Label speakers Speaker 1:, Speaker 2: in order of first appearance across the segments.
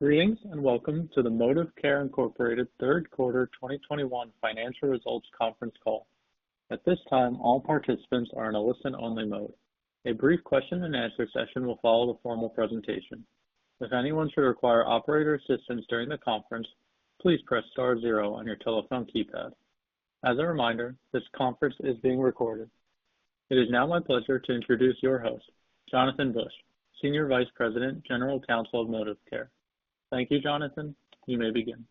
Speaker 1: Greetings, and welcome to the ModivCare Incorporated third quarter 2021 financial results conference call. At this time, all participants are in a listen-only mode. A brief question and answer session will follow the formal presentation. If anyone should require operator assistance during the conference, please press star zero on your telephone keypad. As a reminder, this conference is being recorded. It is now my pleasure to introduce your host, Jonathan Bush, Senior Vice President, General Counsel of ModivCare. Thank you, Jonathan. You may begin.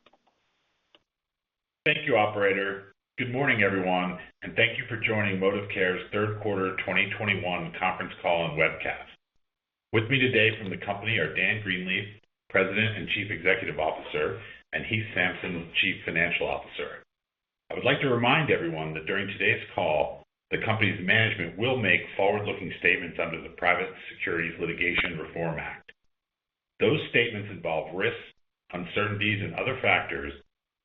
Speaker 2: Thank you, operator. Good morning, everyone, and thank you for joining ModivCare's third quarter 2021 conference call and webcast. With me today from the company are Dan Greenleaf, President and Chief Executive Officer, and Heath Sampson, Chief Financial Officer. I would like to remind everyone that during today's call, the company's management will make forward-looking statements under the Private Securities Litigation Reform Act. Those statements involve risks, uncertainties, and other factors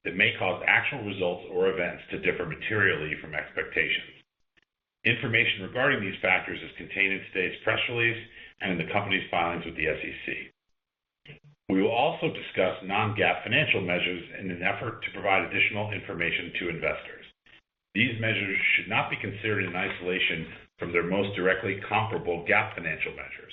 Speaker 2: that may cause actual results or events to differ materially from expectations. Information regarding these factors is contained in today's press release and in the company's filings with the SEC. We will also discuss Non-GAAP financial measures in an effort to provide additional information to investors. These measures should not be considered in isolation from their most directly comparable GAAP financial measures.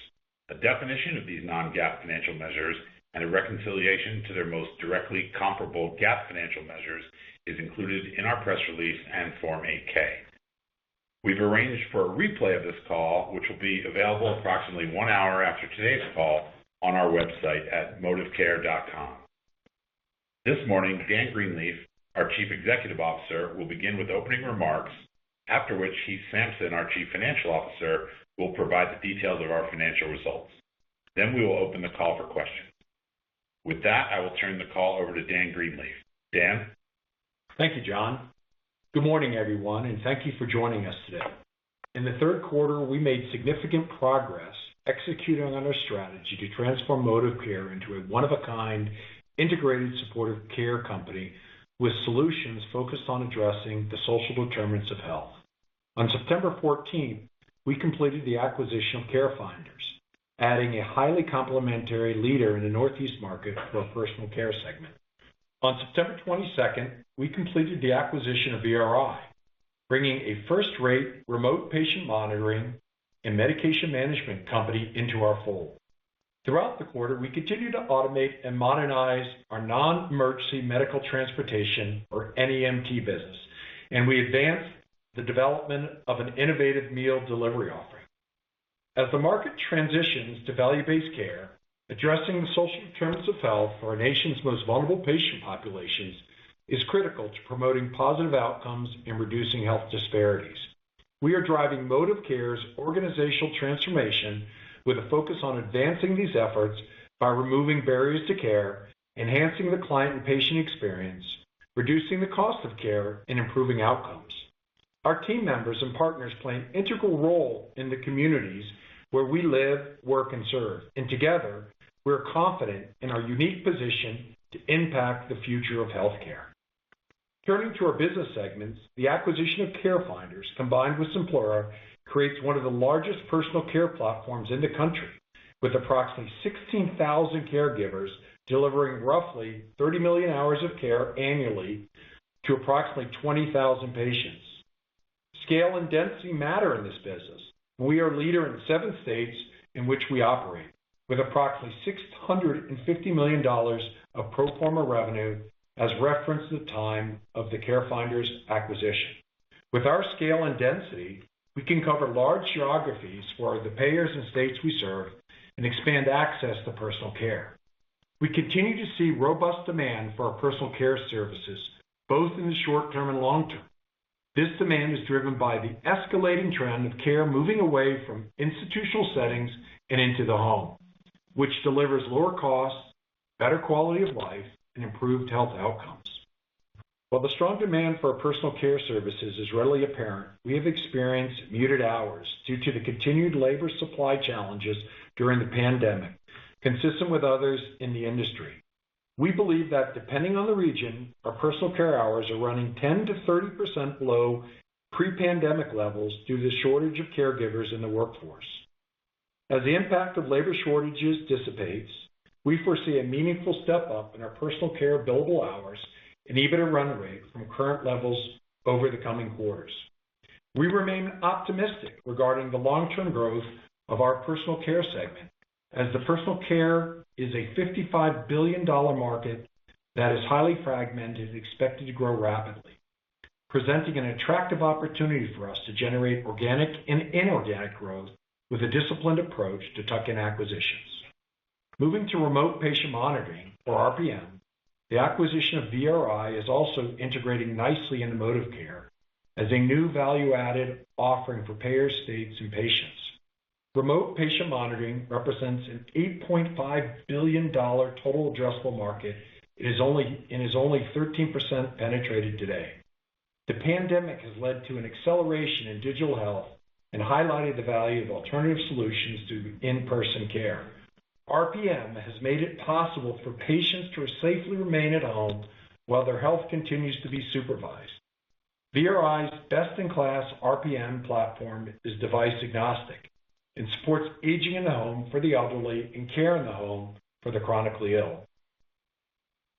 Speaker 2: A definition of these Non-GAAP financial measures and a reconciliation to their most directly comparable GAAP financial measures is included in our press release and Form 8-K. We've arranged for a replay of this call, which will be available approximately one hour after today's call on our website at modivcare.com. This morning, Dan Greenleaf, our Chief Executive Officer, will begin with opening remarks after which Heath Sampson, our Chief Financial Officer, will provide the details of our financial results. Then we will open the call for questions. With that, I will turn the call over to Dan Greenleaf. Dan?
Speaker 3: Thank you, John. Good morning, everyone, and thank you for joining us today. In the third quarter, we made significant progress executing on our strategy to transform ModivCare into a one of a kind integrated supportive care company with solutions focused on addressing the social determinants of health. On September 14, we completed the acquisition of CareFinders, adding a highly complementary leader in the Northeast market for our personal care segment. On September 22, we completed the acquisition of VRI, bringing a first-rate remote patient monitoring and medication management company into our fold. Throughout the quarter, we continued to automate and modernize our non-emergency medical transportation or NEMT business, and we advanced the development of an innovative meal delivery offering. As the market transitions to value-based care, addressing the social determinants of health for our nation's most vulnerable patient populations is critical to promoting positive outcomes and reducing health disparities. We are driving ModivCare's organizational transformation with a focus on advancing these efforts by removing barriers to care, enhancing the client and patient experience, reducing the cost of care, and improving outcomes. Our team members and partners play an integral role in the communities where we live, work, and serve, and together, we're confident in our unique position to impact the future of healthcare. Turning to our business segments, the acquisition of CareFinders, combined with Simplura, creates one of the largest personal care platforms in the country, with approximately 16,000 caregivers delivering roughly 30 million hours of care annually to approximately 20,000 patients. Scale and density matter in this business. We are a leader in seven states in which we operate with approximately $650 million of pro forma revenue as referenced at the time of the CareFinders acquisition. With our scale and density, we can cover large geographies for the payers and states we serve and expand access to personal care. We continue to see robust demand for our personal care services, both in the short term and long term. This demand is driven by the escalating trend of care moving away from institutional settings and into the home, which delivers lower costs, better quality of life, and improved health outcomes. While the strong demand for our personal care services is readily apparent, we have experienced muted hours due to the continued labor supply challenges during the pandemic, consistent with others in the industry. We believe that depending on the region, our personal care hours are running 10%-30% below pre-pandemic levels due to the shortage of caregivers in the workforce. As the impact of labor shortages dissipates, we foresee a meaningful step-up in our personal care billable hours and even a run rate from current levels over the coming quarters. We remain optimistic regarding the long-term growth of our personal care segment as the personal care is a $55 billion market that is highly fragmented and expected to grow rapidly, presenting an attractive opportunity for us to generate organic and inorganic growth with a disciplined approach to tuck-in acquisitions. Moving to remote patient monitoring or RPM. The acquisition of VRI is also integrating nicely into ModivCare as a new value-added offering for payers, states, and patients. Remote patient monitoring represents an $8.5 billion total addressable market, and is only 13% penetrated today. The pandemic has led to an acceleration in digital health and highlighted the value of alternative solutions to in-person care. RPM has made it possible for patients to safely remain at home while their health continues to be supervised. VRI's best-in-class RPM platform is device agnostic and supports aging in the home for the elderly and care in the home for the chronically ill.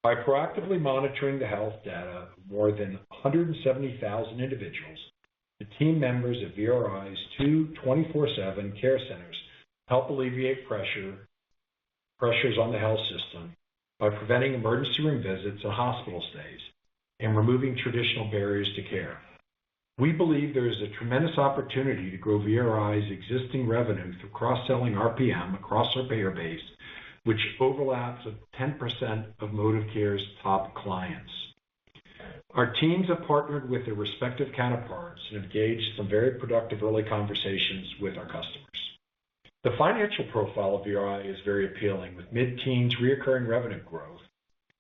Speaker 3: By proactively monitoring the health data of more than 170,000 individuals, the team members of VRI's 24/7 care centers help alleviate pressures on the health system by preventing emergency room visits or hospital stays and removing traditional barriers to care. We believe there is a tremendous opportunity to grow VRI's existing revenue through cross-selling RPM across our payer base, which overlaps with 10% of ModivCare's top clients. Our teams have partnered with their respective counterparts and have gauged some very productive early conversations with our customers. The financial profile of VRI is very appealing, with mid-teens recurring revenue growth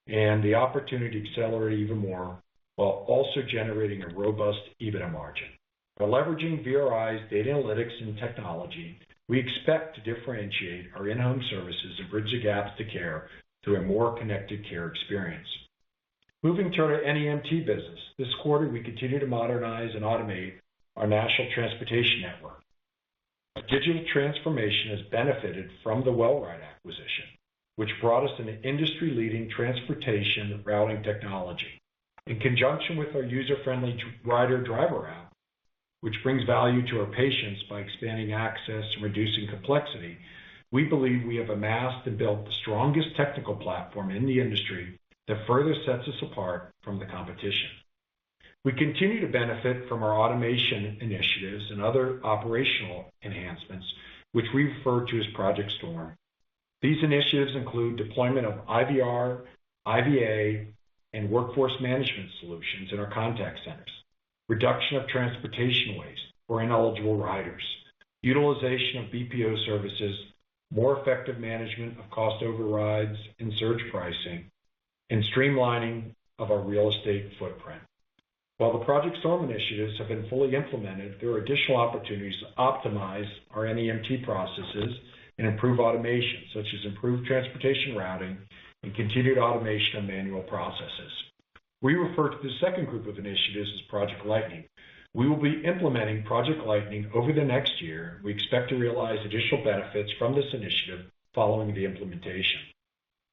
Speaker 3: and the opportunity to accelerate even more while also generating a robust EBITDA margin. By leveraging VRI's data analytics and technology, we expect to differentiate our in-home services and bridge the gaps to care through a more connected care experience. Moving to our NEMT business. This quarter, we continue to modernize and automate our national transportation network. Our digital transformation has benefited from the WellRyde acquisition, which brought us an industry-leading transportation routing technology. In conjunction with our user-friendly rider-driver app, which brings value to our patients by expanding access and reducing complexity, we believe we have amassed and built the strongest technical platform in the industry that further sets us apart from the competition. We continue to benefit from our automation initiatives and other operational enhancements, which we refer to as Project Storm. These initiatives include deployment of IVR, IVA, and workforce management solutions in our contact centers, reduction of transportation waste for ineligible riders, utilization of BPO services, more effective management of cost overrides and surge pricing, and streamlining of our real estate footprint. While the Project Storm initiatives have been fully implemented, there are additional opportunities to optimize our NEMT processes and improve automation, such as improved transportation routing and continued automation of manual processes. We refer to the second group of initiatives as Project Lightning. We will be implementing Project Lightning over the next year. We expect to realize additional benefits from this initiative following the implementation.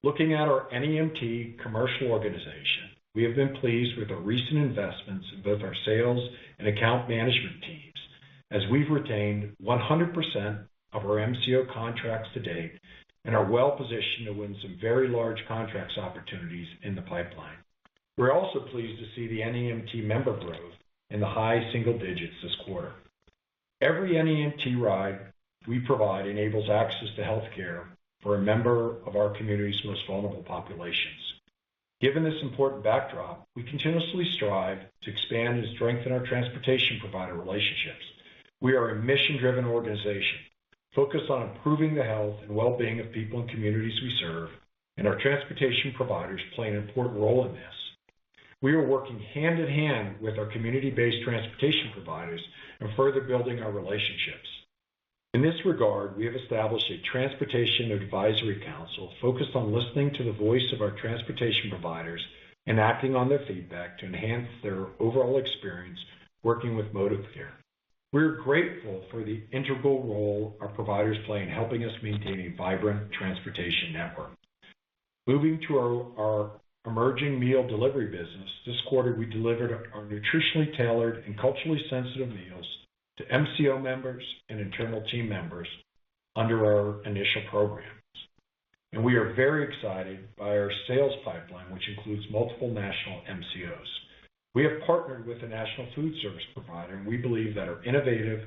Speaker 3: Looking at our NEMT commercial organization, we have been pleased with the recent investments in both our sales and account management teams as we've retained 100% of our MCO contracts to date and are well positioned to win some very large contract opportunities in the pipeline. We're also pleased to see the NEMT member growth in the high single digits this quarter. Every NEMT ride we provide enables access to health care for a member of our community's most vulnerable populations. Given this important backdrop, we continuously strive to expand and strengthen our transportation provider relationships. We are a mission-driven organization focused on improving the health and well-being of people and communities we serve, and our transportation providers play an important role in this. We are working hand in hand with our community-based transportation providers and further building our relationships. In this regard, we have established a Transportation Advisory Council focused on listening to the voice of our transportation providers and acting on their feedback to enhance their overall experience working with ModivCare. We're grateful for the integral role our providers play in helping us maintain a vibrant transportation network. Moving to our emerging meal delivery business. This quarter, we delivered our nutritionally tailored and culturally sensitive meals to MCO members and internal team members under our initial programs. We are very excited by our sales pipeline, which includes multiple national MCOs. We have partnered with a national food service provider, and we believe that our innovative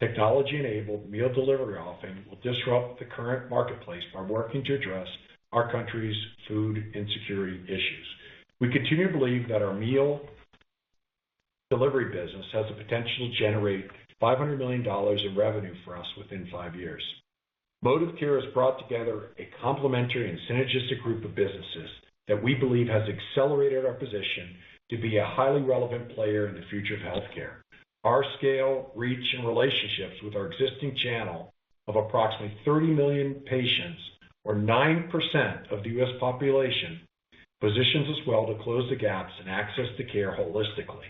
Speaker 3: technology-enabled meal delivery offering will disrupt the current marketplace by working to address our country's food insecurity issues. We continue to believe that our meal delivery business has the potential to generate $500 million in revenue for us within 5 years. ModivCare has brought together a complementary and synergistic group of businesses that we believe has accelerated our position to be a highly relevant player in the future of healthcare. Our scale, reach, and relationships with our existing channel of approximately 30 million patients or 9% of the U.S. population positions us well to close the gaps in access to care holistically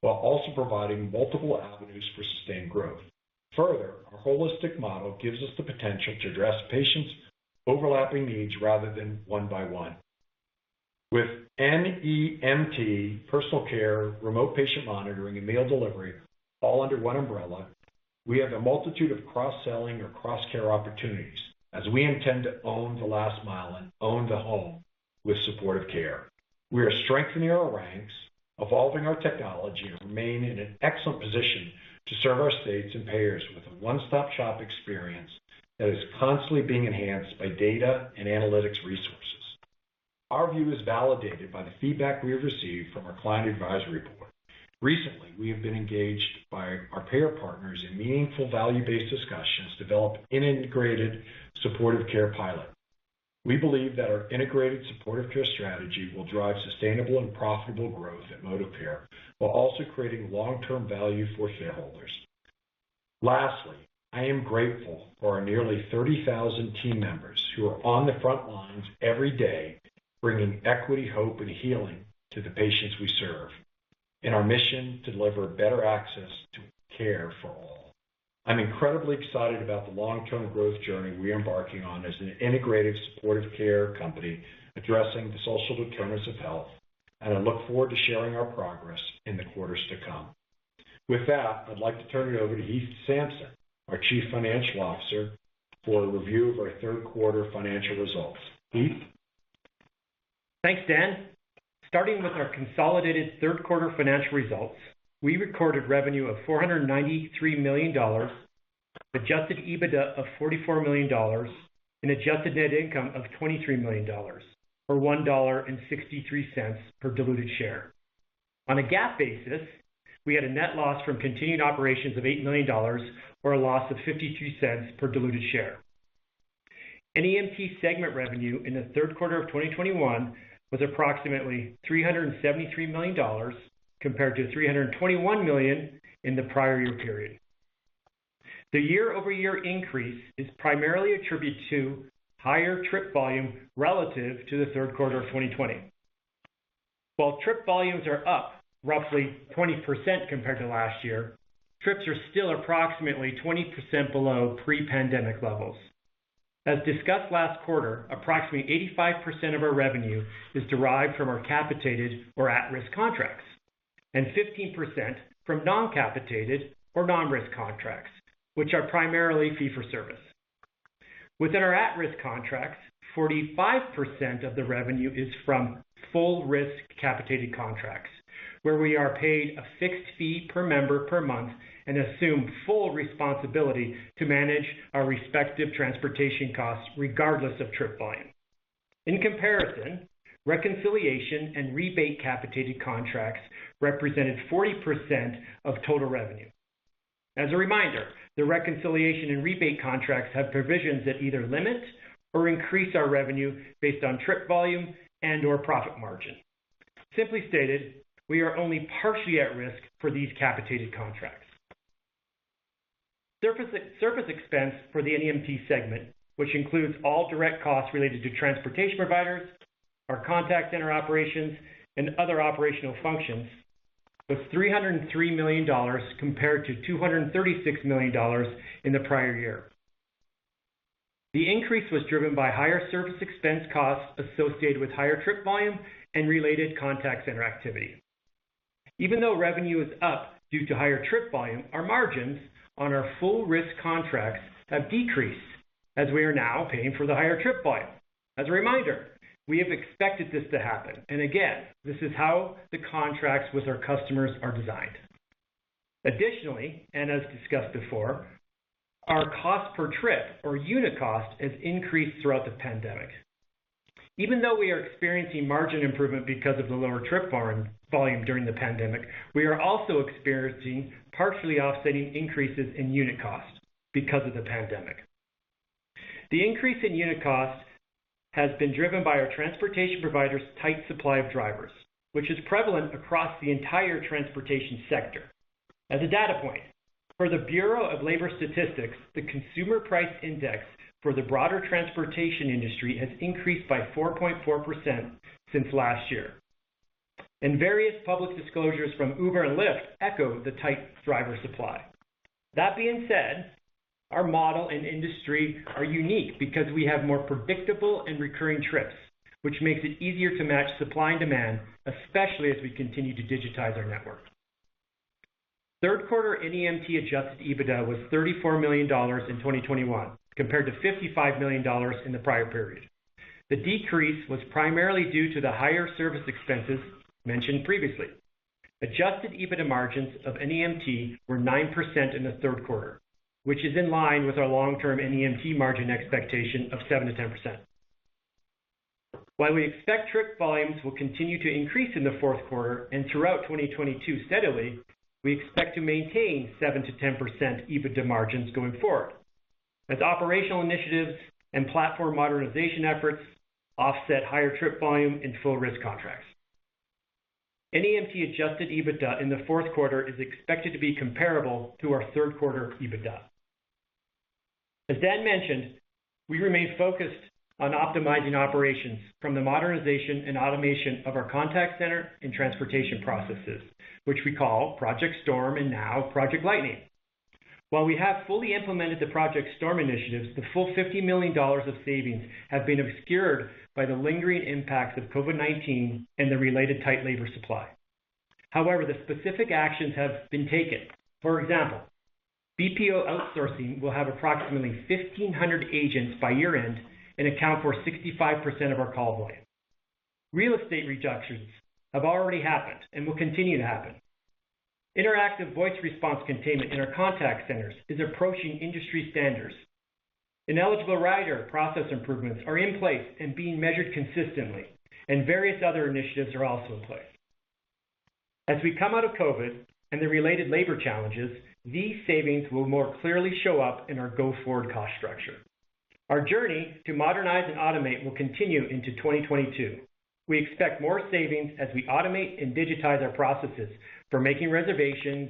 Speaker 3: while also providing multiple avenues for sustained growth. Further, our holistic model gives us the potential to address patients' overlapping needs rather than one by one. With NEMT, personal care, remote patient monitoring, and meal delivery all under one umbrella, we have a multitude of cross-selling or cross-care opportunities as we intend to own the last mile and own the home with supportive care. We are strengthening our ranks, evolving our technology, and remain in an excellent position to serve our states and payers with a one-stop-shop experience that is constantly being enhanced by data and analytics resources. Our view is validated by the feedback we have received from our client advisory board. Recently, we have been engaged by our payer partners in meaningful value-based discussions to develop an integrated supportive care pilot. We believe that our integrated supportive care strategy will drive sustainable and profitable growth at ModivCare while also creating long-term value for shareholders. Lastly, I am grateful for our nearly 30,000 team members who are on the front lines every day, bringing equity, hope, and healing to the patients we serve in our mission to deliver better access to care for all. I'm incredibly excited about the long-term growth journey we are embarking on as an integrated supportive care company addressing the social determinants of health, and I look forward to sharing our progress in the quarters to come. With that, I'd like to turn it over to Heath Sampson, our Chief Financial Officer, for a review of our third quarter financial results. Heath?
Speaker 4: Thanks, Dan. Starting with our consolidated third quarter financial results, we recorded revenue of $493 million, adjusted EBITDA of $44 million, and adjusted net income of $23 million, or $1.63 per diluted share. On a GAAP basis, we had a net loss from continuing operations of $8 million, or a loss of $0.52 per diluted share. NEMT segment revenue in the third quarter of 2021 was approximately $373 million compared to $321 million in the prior year period. The year-over-year increase is primarily attributed to higher trip volume relative to the third quarter of 2020. While trip volumes are up roughly 20% compared to last year, trips are still approximately 20% below pre-pandemic levels. As discussed last quarter, approximately 85% of our revenue is derived from our capitated or at-risk contracts and 15% from non-capitated or non-risk contracts, which are primarily fee for service. Within our at-risk contracts, 45% of the revenue is from full risk capitated contracts, where we are paid a fixed fee per member per month and assume full responsibility to manage our respective transportation costs regardless of trip volume. In comparison, reconciliation and rebate capitated contracts represented 40% of total revenue. As a reminder, the reconciliation and rebate contracts have provisions that either limit or increase our revenue based on trip volume and or profit margin. Simply stated, we are only partially at risk for these capitated contracts. Service ex-service expense for the NEMT segment, which includes all direct costs related to transportation providers, our contact center operations, and other operational functions, was $303 million compared to $236 million in the prior year. The increase was driven by higher service expense costs associated with higher trip volume and related contact center activity. Even though revenue is up due to higher trip volume, our margins on our full risk contracts have decreased as we are now paying for the higher trip volume. As a reminder, we have expected this to happen. Again, this is how the contracts with our customers are designed. Additionally, and as discussed before, our cost per trip or unit cost has increased throughout the pandemic. Even though we are experiencing margin improvement because of the lower trip volume during the pandemic, we are also experiencing partially offsetting increases in unit cost because of the pandemic. The increase in unit cost has been driven by our transportation providers' tight supply of drivers, which is prevalent across the entire transportation sector. As a data point, per the Bureau of Labor Statistics, the consumer price index for the broader transportation industry has increased by 4.4% since last year. Various public disclosures from Uber and Lyft echo the tight driver supply. That being said, our model and industry are unique because we have more predictable and recurring trips, which makes it easier to match supply and demand, especially as we continue to digitize our network. Third quarter NEMT adjusted EBITDA was $34 million in 2021 compared to $55 million in the prior period. The decrease was primarily due to the higher service expenses mentioned previously. Adjusted EBITDA margins of NEMT were 9% in the third quarter, which is in line with our long-term NEMT margin expectation of 7%-10%. While we expect trip volumes will continue to increase in the fourth quarter and throughout 2022 steadily, we expect to maintain 7%-10% EBITDA margins going forward as operational initiatives and platform modernization efforts offset higher trip volume and full risk contracts. NEMT adjusted EBITDA in the fourth quarter is expected to be comparable to our third quarter EBITDA. As Dan mentioned, we remain focused on optimizing operations from the modernization and automation of our contact center and transportation processes, which we call Project Storm and now Project Lightning. While we have fully implemented the Project Storm initiatives, the full $50 million of savings have been obscured by the lingering impacts of COVID-19 and the related tight labor supply. However, the specific actions have been taken. For example, BPO outsourcing will have approximately 1,500 agents by year-end and account for 65% of our call volume. Real estate reductions have already happened and will continue to happen. Interactive voice response containment in our contact centers is approaching industry standards. Ineligible rider process improvements are in place and being measured consistently, and various other initiatives are also in place. As we come out of COVID and the related labor challenges, these savings will more clearly show up in our go-forward cost structure. Our journey to modernize and automate will continue into 2022. We expect more savings as we automate and digitize our processes for making reservations,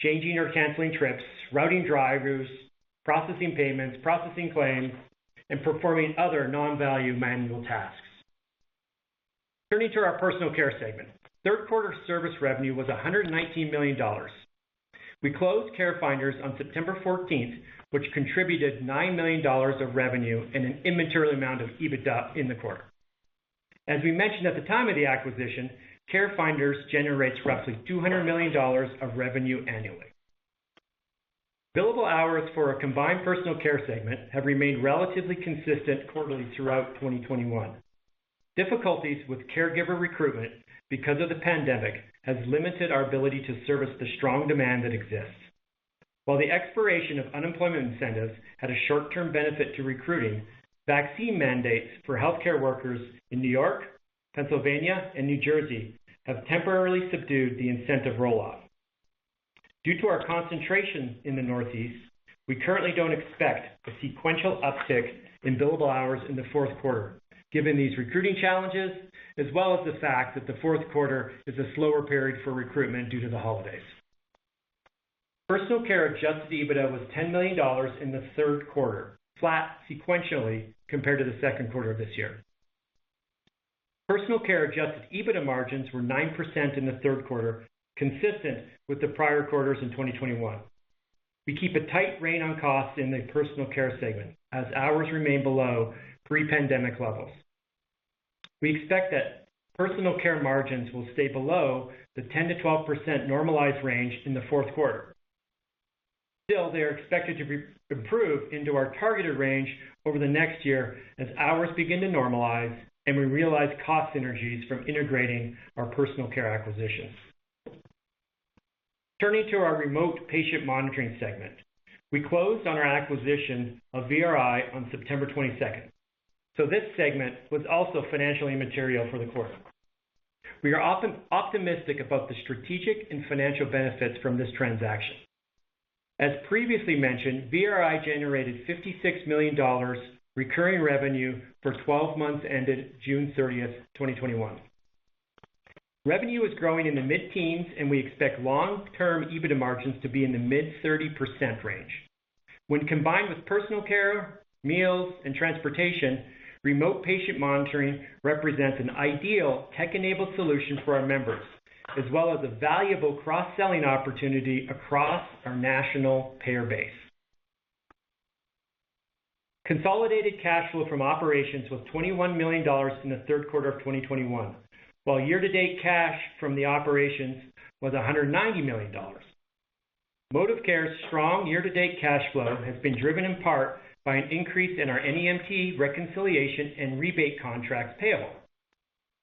Speaker 4: changing or canceling trips, routing drivers, processing payments, processing claims, and performing other non-value manual tasks. Turning to our personal care segment. Third quarter service revenue was $119 million. We closed CareFinders on September 14, which contributed $9 million of revenue and an immaterial amount of EBITDA in the quarter. As we mentioned at the time of the acquisition, CareFinders generates roughly $200 million of revenue annually. Billable hours for a combined personal care segment have remained relatively consistent quarterly throughout 2021. Difficulties with caregiver recruitment because of the pandemic has limited our ability to service the strong demand that exists. While the expiration of unemployment incentives had a short-term benefit to recruiting, vaccine mandates for healthcare workers in New York, Pennsylvania, and New Jersey have temporarily subdued the incentive roll-off. Due to our concentration in the Northeast, we currently don't expect a sequential uptick in billable hours in the fourth quarter, given these recruiting challenges, as well as the fact that the fourth quarter is a slower period for recruitment due to the holidays. Personal Care adjusted EBITDA was $10 million in the third quarter, flat sequentially compared to the second quarter of this year. Personal Care adjusted EBITDA margins were 9% in the third quarter, consistent with the prior quarters in 2021. We keep a tight rein on costs in the personal care segment as hours remain below pre-pandemic levels. We expect that personal care margins will stay below the 10%-12% normalized range in the fourth quarter. Still, they are expected to be improved into our targeted range over the next year as hours begin to normalize and we realize cost synergies from integrating our personal care acquisitions. Turning to our remote patient monitoring segment. We closed on our acquisition of VRI on September 22, so this segment was also financially material for the quarter. We are often optimistic about the strategic and financial benefits from this transaction. As previously mentioned, VRI generated $56 million recurring revenue for 12 months ended June 30, 2021. Revenue is growing in the mid-teens, and we expect long-term EBITDA margins to be in the mid-30% range. When combined with personal care, meals, and transportation, remote patient monitoring represents an ideal tech-enabled solution for our members, as well as a valuable cross-selling opportunity across our national payer base. Consolidated cash flow from operations was $21 million in the third quarter of 2021. While year-to-date cash from the operations was $190 million. ModivCare's strong year-to-date cash flow has been driven in part by an increase in our NEMT reconciliation and rebate contract payables.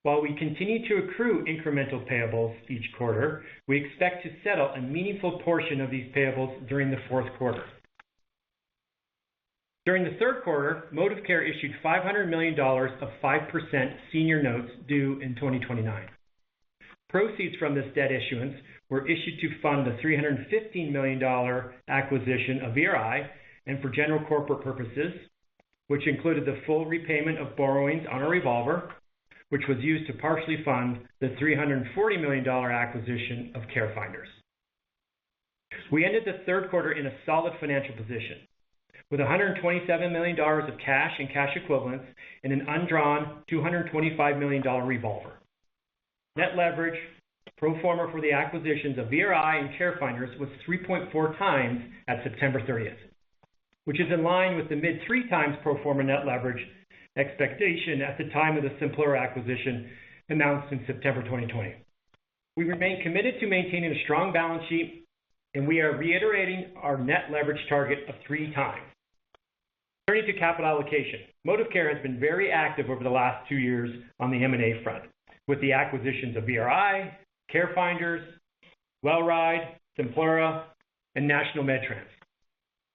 Speaker 4: While we continue to accrue incremental payables each quarter, we expect to settle a meaningful portion of these payables during the fourth quarter. During the third quarter, ModivCare issued $500 million of 5% senior notes due in 2029. Proceeds from this debt issuance were issued to fund the $315 million acquisition of VRI and for general corporate purposes, which included the full repayment of borrowings on a revolver, which was used to partially fund the $340 million acquisition of CareFinders. We ended the third quarter in a solid financial position with $127 million of cash and cash equivalents and an undrawn $225 million revolver. Net leverage pro forma for the acquisitions of VRI and CareFinders was 3.4x at September 30, which is in line with the mid-3x pro forma net leverage expectation at the time of the Simplura acquisition announced in September 2020. We remain committed to maintaining a strong balance sheet, and we are reiterating our net leverage target of 3x. Turning to capital allocation. ModivCare has been very active over the last two years on the M&A front with the acquisitions of VRI, CareFinders, WellRyde, Simplura, and National MedTrans.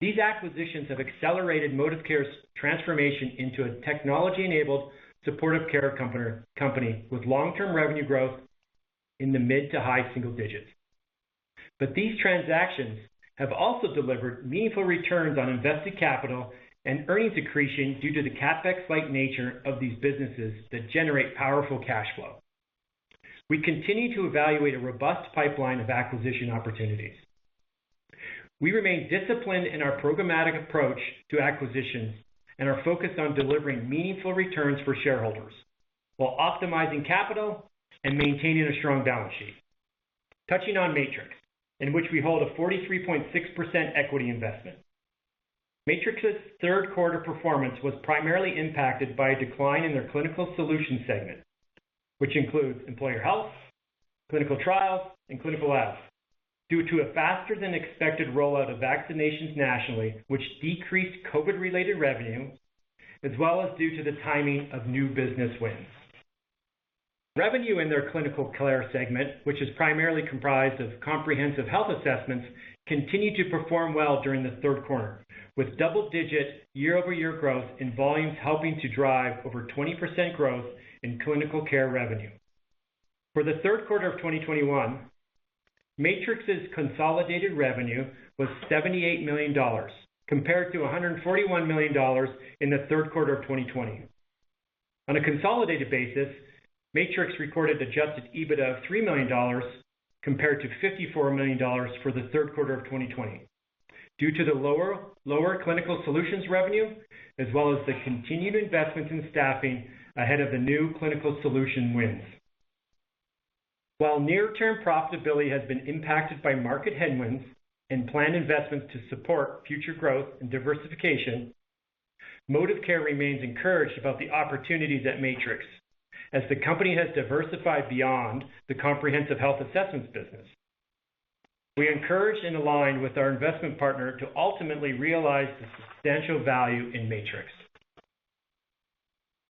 Speaker 4: These acquisitions have accelerated ModivCare's transformation into a technology-enabled supportive care company with long-term revenue growth in the mid to high single digits. These transactions have also delivered meaningful returns on invested capital and earnings accretion due to the CapEx-like nature of these businesses that generate powerful cash flow. We continue to evaluate a robust pipeline of acquisition opportunities. We remain disciplined in our programmatic approach to acquisitions and are focused on delivering meaningful returns for shareholders while optimizing capital and maintaining a strong balance sheet. Touching on Matrix, in which we hold a 43.6% equity investment. Matrix's third quarter performance was primarily impacted by a decline in their clinical solution segment, which includes employer health, clinical trials, and clinical labs, due to a faster than expected rollout of vaccinations nationally, which decreased COVID-related revenue as well as due to the timing of new business wins. Revenue in their clinical care segment, which is primarily comprised of comprehensive health assessments, continued to perform well during the third quarter, with double-digit year-over-year growth in volumes helping to drive over 20% growth in clinical care revenue. For the third quarter of 2021, Matrix's consolidated revenue was $78 million compared to $141 million in the third quarter of 2020. On a consolidated basis, Matrix recorded adjusted EBIT of $3 million compared to $54 million for the third quarter of 2020. Due to the lower Clinical Solutions revenue as well as the continued investments in staffing ahead of the new Clinical Solution wins. While near term profitability has been impacted by market headwinds and planned investments to support future growth and diversification, ModivCare remains encouraged about the opportunities at Matrix as the company has diversified beyond the comprehensive health assessments business. We're encouraged and aligned with our investment partner to ultimately realize the substantial value in Matrix.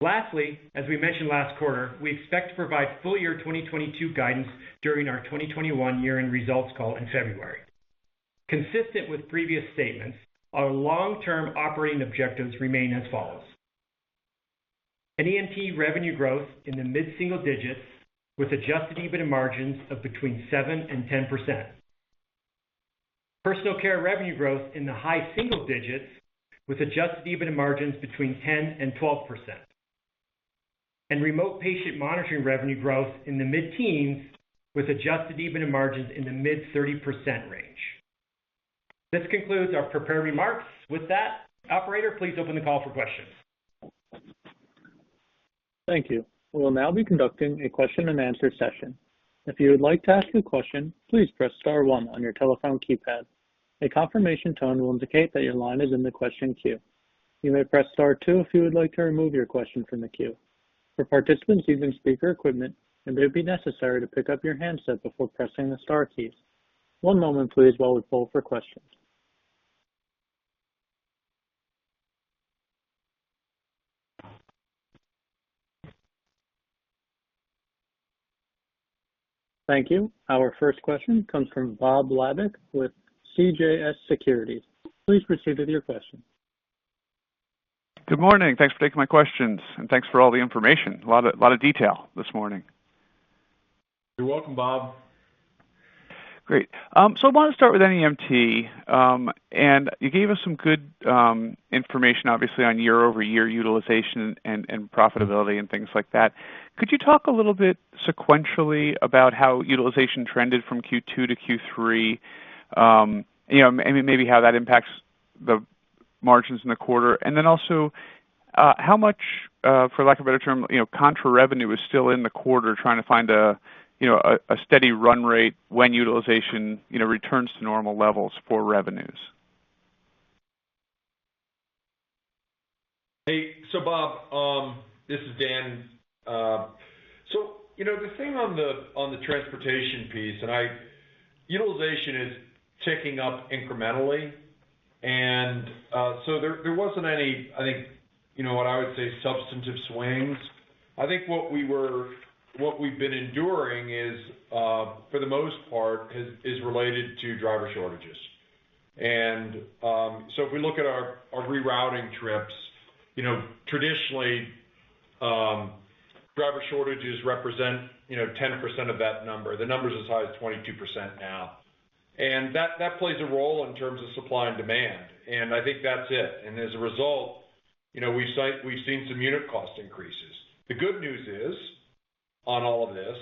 Speaker 4: Lastly, as we mentioned last quarter, we expect to provide full year 2022 guidance during our 2021 year-end results call in February. Consistent with previous statements, our long-term operating objectives remain as follows: NEMT revenue growth in the mid-single digits with adjusted EBITDA margins of between 7% and 10%. Personal care revenue growth in the high single digits with adjusted EBITDA margins between 10% and 12%. Remote patient monitoring revenue growth in the mid-teens% with adjusted EBITDA margins in the mid-30% range. This concludes our prepared remarks. With that, operator, please open the call for questions.
Speaker 1: Thank you. We will now be conducting a question and answer session. If you would like to ask a question, please press star one on your telephone keypad. A confirmation tone will indicate that your line is in the question queue. You may press star two if you would like to remove your question from the queue. For participants using speaker equipment, it may be necessary to pick up your handset before pressing the star keys. One moment please while we poll for questions. Thank you. Our first question comes from Bob Labick with CJS Securities. Please proceed with your question.
Speaker 5: Good morning. Thanks for taking my questions, and thanks for all the information. A lot of detail this morning.
Speaker 3: You're welcome, Bob.
Speaker 5: Great. I want to start with NEMT. You gave us some good information obviously on year-over-year utilization and profitability and things like that. Could you talk a little bit sequentially about how utilization trended from Q2 to Q3? You know, maybe how that impacts the margins in the quarter. Then also, how much, for lack of a better term, you know, contra revenue is still in the quarter trying to find a you know a steady run rate when utilization, you know, returns to normal levels for revenues?
Speaker 3: Hey. Bob, this is Dan. You know, the thing on the transportation piece utilization is ticking up incrementally. There wasn't any, I think, you know, what I would say, substantive swings. I think what we've been enduring is, for the most part, related to driver shortages. If we look at our rerouting trips, you know, traditionally, driver shortages represent, you know, 10% of that number. The number's as high as 22% now. That plays a role in terms of supply and demand, and I think that's it. As a result, you know, we've seen some unit cost increases. The good news is, on all of this,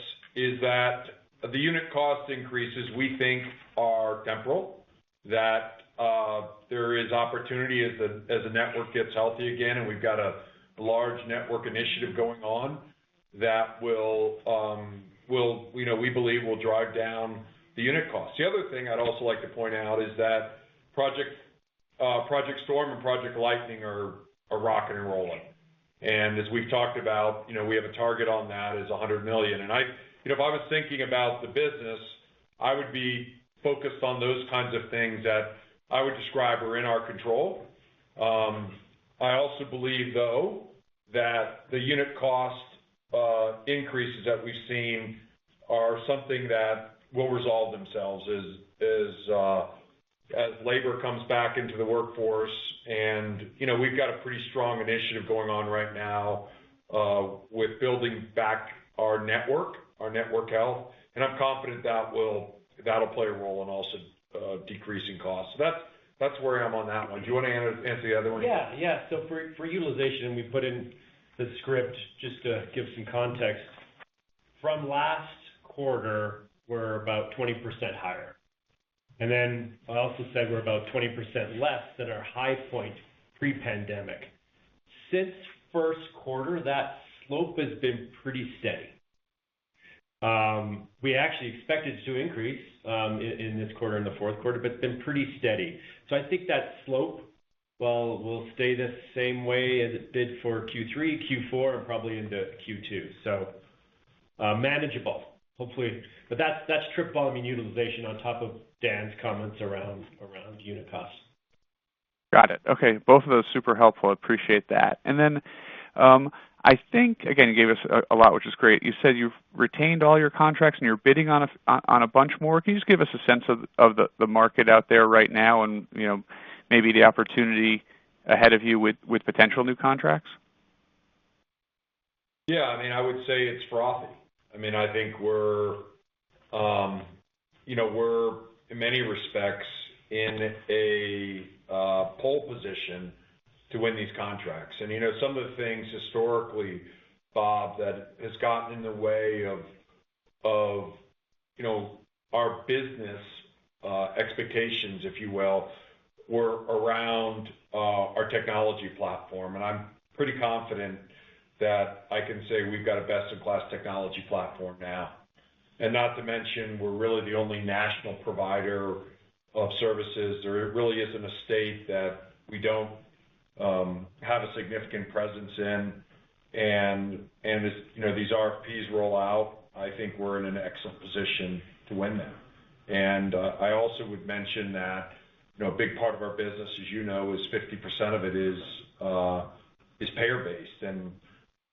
Speaker 3: that the unit cost increases, we think, are temporary. That there is opportunity as the network gets healthy again, and we've got a large network initiative going on that will, you know, we believe will drive down the unit costs. The other thing I'd also like to point out is that Project Storm and Project Lightning are rocking and rolling. As we've talked about, you know, we have a target on that is $100 million. You know, if I was thinking about the business, I would be focused on those kinds of things that I would describe are in our control. I also believe, though, that the unit cost increases that we've seen are something that will resolve themselves as labor comes back into the workforce. You know, we've got a pretty strong initiative going on right now with building back our network, our network health. I'm confident that'll play a role in also decreasing costs. That's where I am on that one. Do you wanna answer the other one?
Speaker 4: Yeah. Yeah. For utilization, we put in the script just to give some context. From last quarter, we're about 20% higher. Then I also said we're about 20% less than our high point pre-pandemic. Since first quarter, that slope has been pretty steady. We actually expected to increase in this quarter, in the fourth quarter, but it's been pretty steady. I think that slope will stay the same way as it did for Q3, Q4, and probably into Q2. Manageable, hopefully. That's trip volume and utilization on top of Dan's comments around unit costs.
Speaker 5: Got it. Okay. Both of those super helpful. I appreciate that. I think, again, you gave us a lot, which is great. You said you've retained all your contracts and you're bidding on a bunch more. Can you just give us a sense of the market out there right now and, you know, maybe the opportunity ahead of you with potential new contracts?
Speaker 3: Yeah, I mean, I would say it's frothy. I mean, I think you know, we're in many respects in a pole position to win these contracts. You know, some of the things historically, Bob, that has gotten in the way of you know, our business expectations, if you will, were around our technology platform. I'm pretty confident that I can say we've got a best-in-class technology platform now. Not to mention, we're really the only national provider of services. There really isn't a state that we don't have a significant presence in. As you know, these RFPs roll out, I think we're in an excellent position to win them. I also would mention that, you know, a big part of our business, as you know, is 50% of it is payer-based.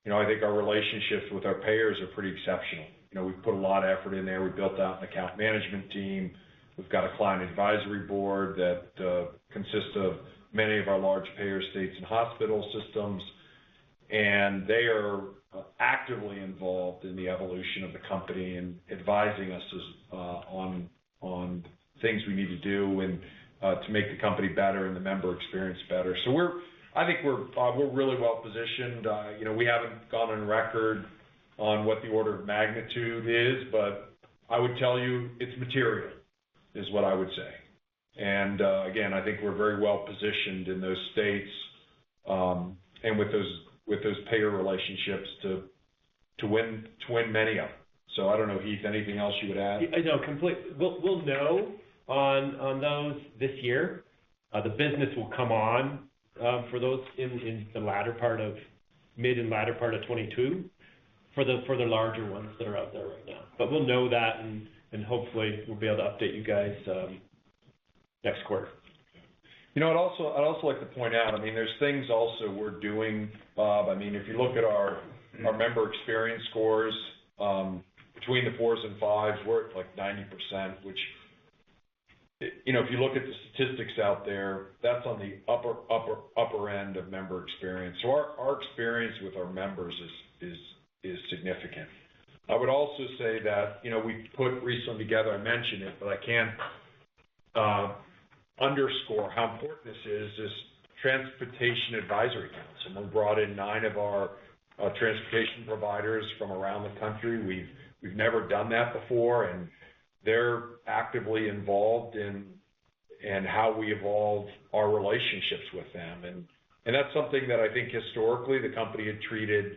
Speaker 3: You know, I think our relationships with our payers are pretty exceptional. You know, we've put a lot of effort in there. We built out an account management team. We've got a client advisory board that consists of many of our large payer states and hospital systems, and they are actively involved in the evolution of the company and advising us on things we need to do and to make the company better and the member experience better. I think we're, Bob, we're really well positioned. You know, we haven't gone on record on what the order of magnitude is, but I would tell you it's material, is what I would say. Again, I think we're very well positioned in those states and with those payer relationships to win many of them. I don't know, Heath, anything else you would add?
Speaker 4: No, we'll know on those this year. The business will come on for those in the mid and latter part of 2022 for the larger ones that are out there right now. But we'll know that and hopefully we'll be able to update you guys next quarter.
Speaker 3: You know, I'd also like to point out, I mean, there's things also we're doing, Bob. I mean, if you look at our member experience scores, between the fours and fives, we're at like 90%, which, you know, if you look at the statistics out there, that's on the upper end of member experience. So our experience with our members is significant. I would also say that, you know, we recently put together, I mentioned it, but I can't underscore how important this is, this Transportation Advisory Council. We brought in nine of our transportation providers from around the country. We've never done that before, and they're actively involved in how we evolve our relationships with them. That's something that I think historically the company had treated,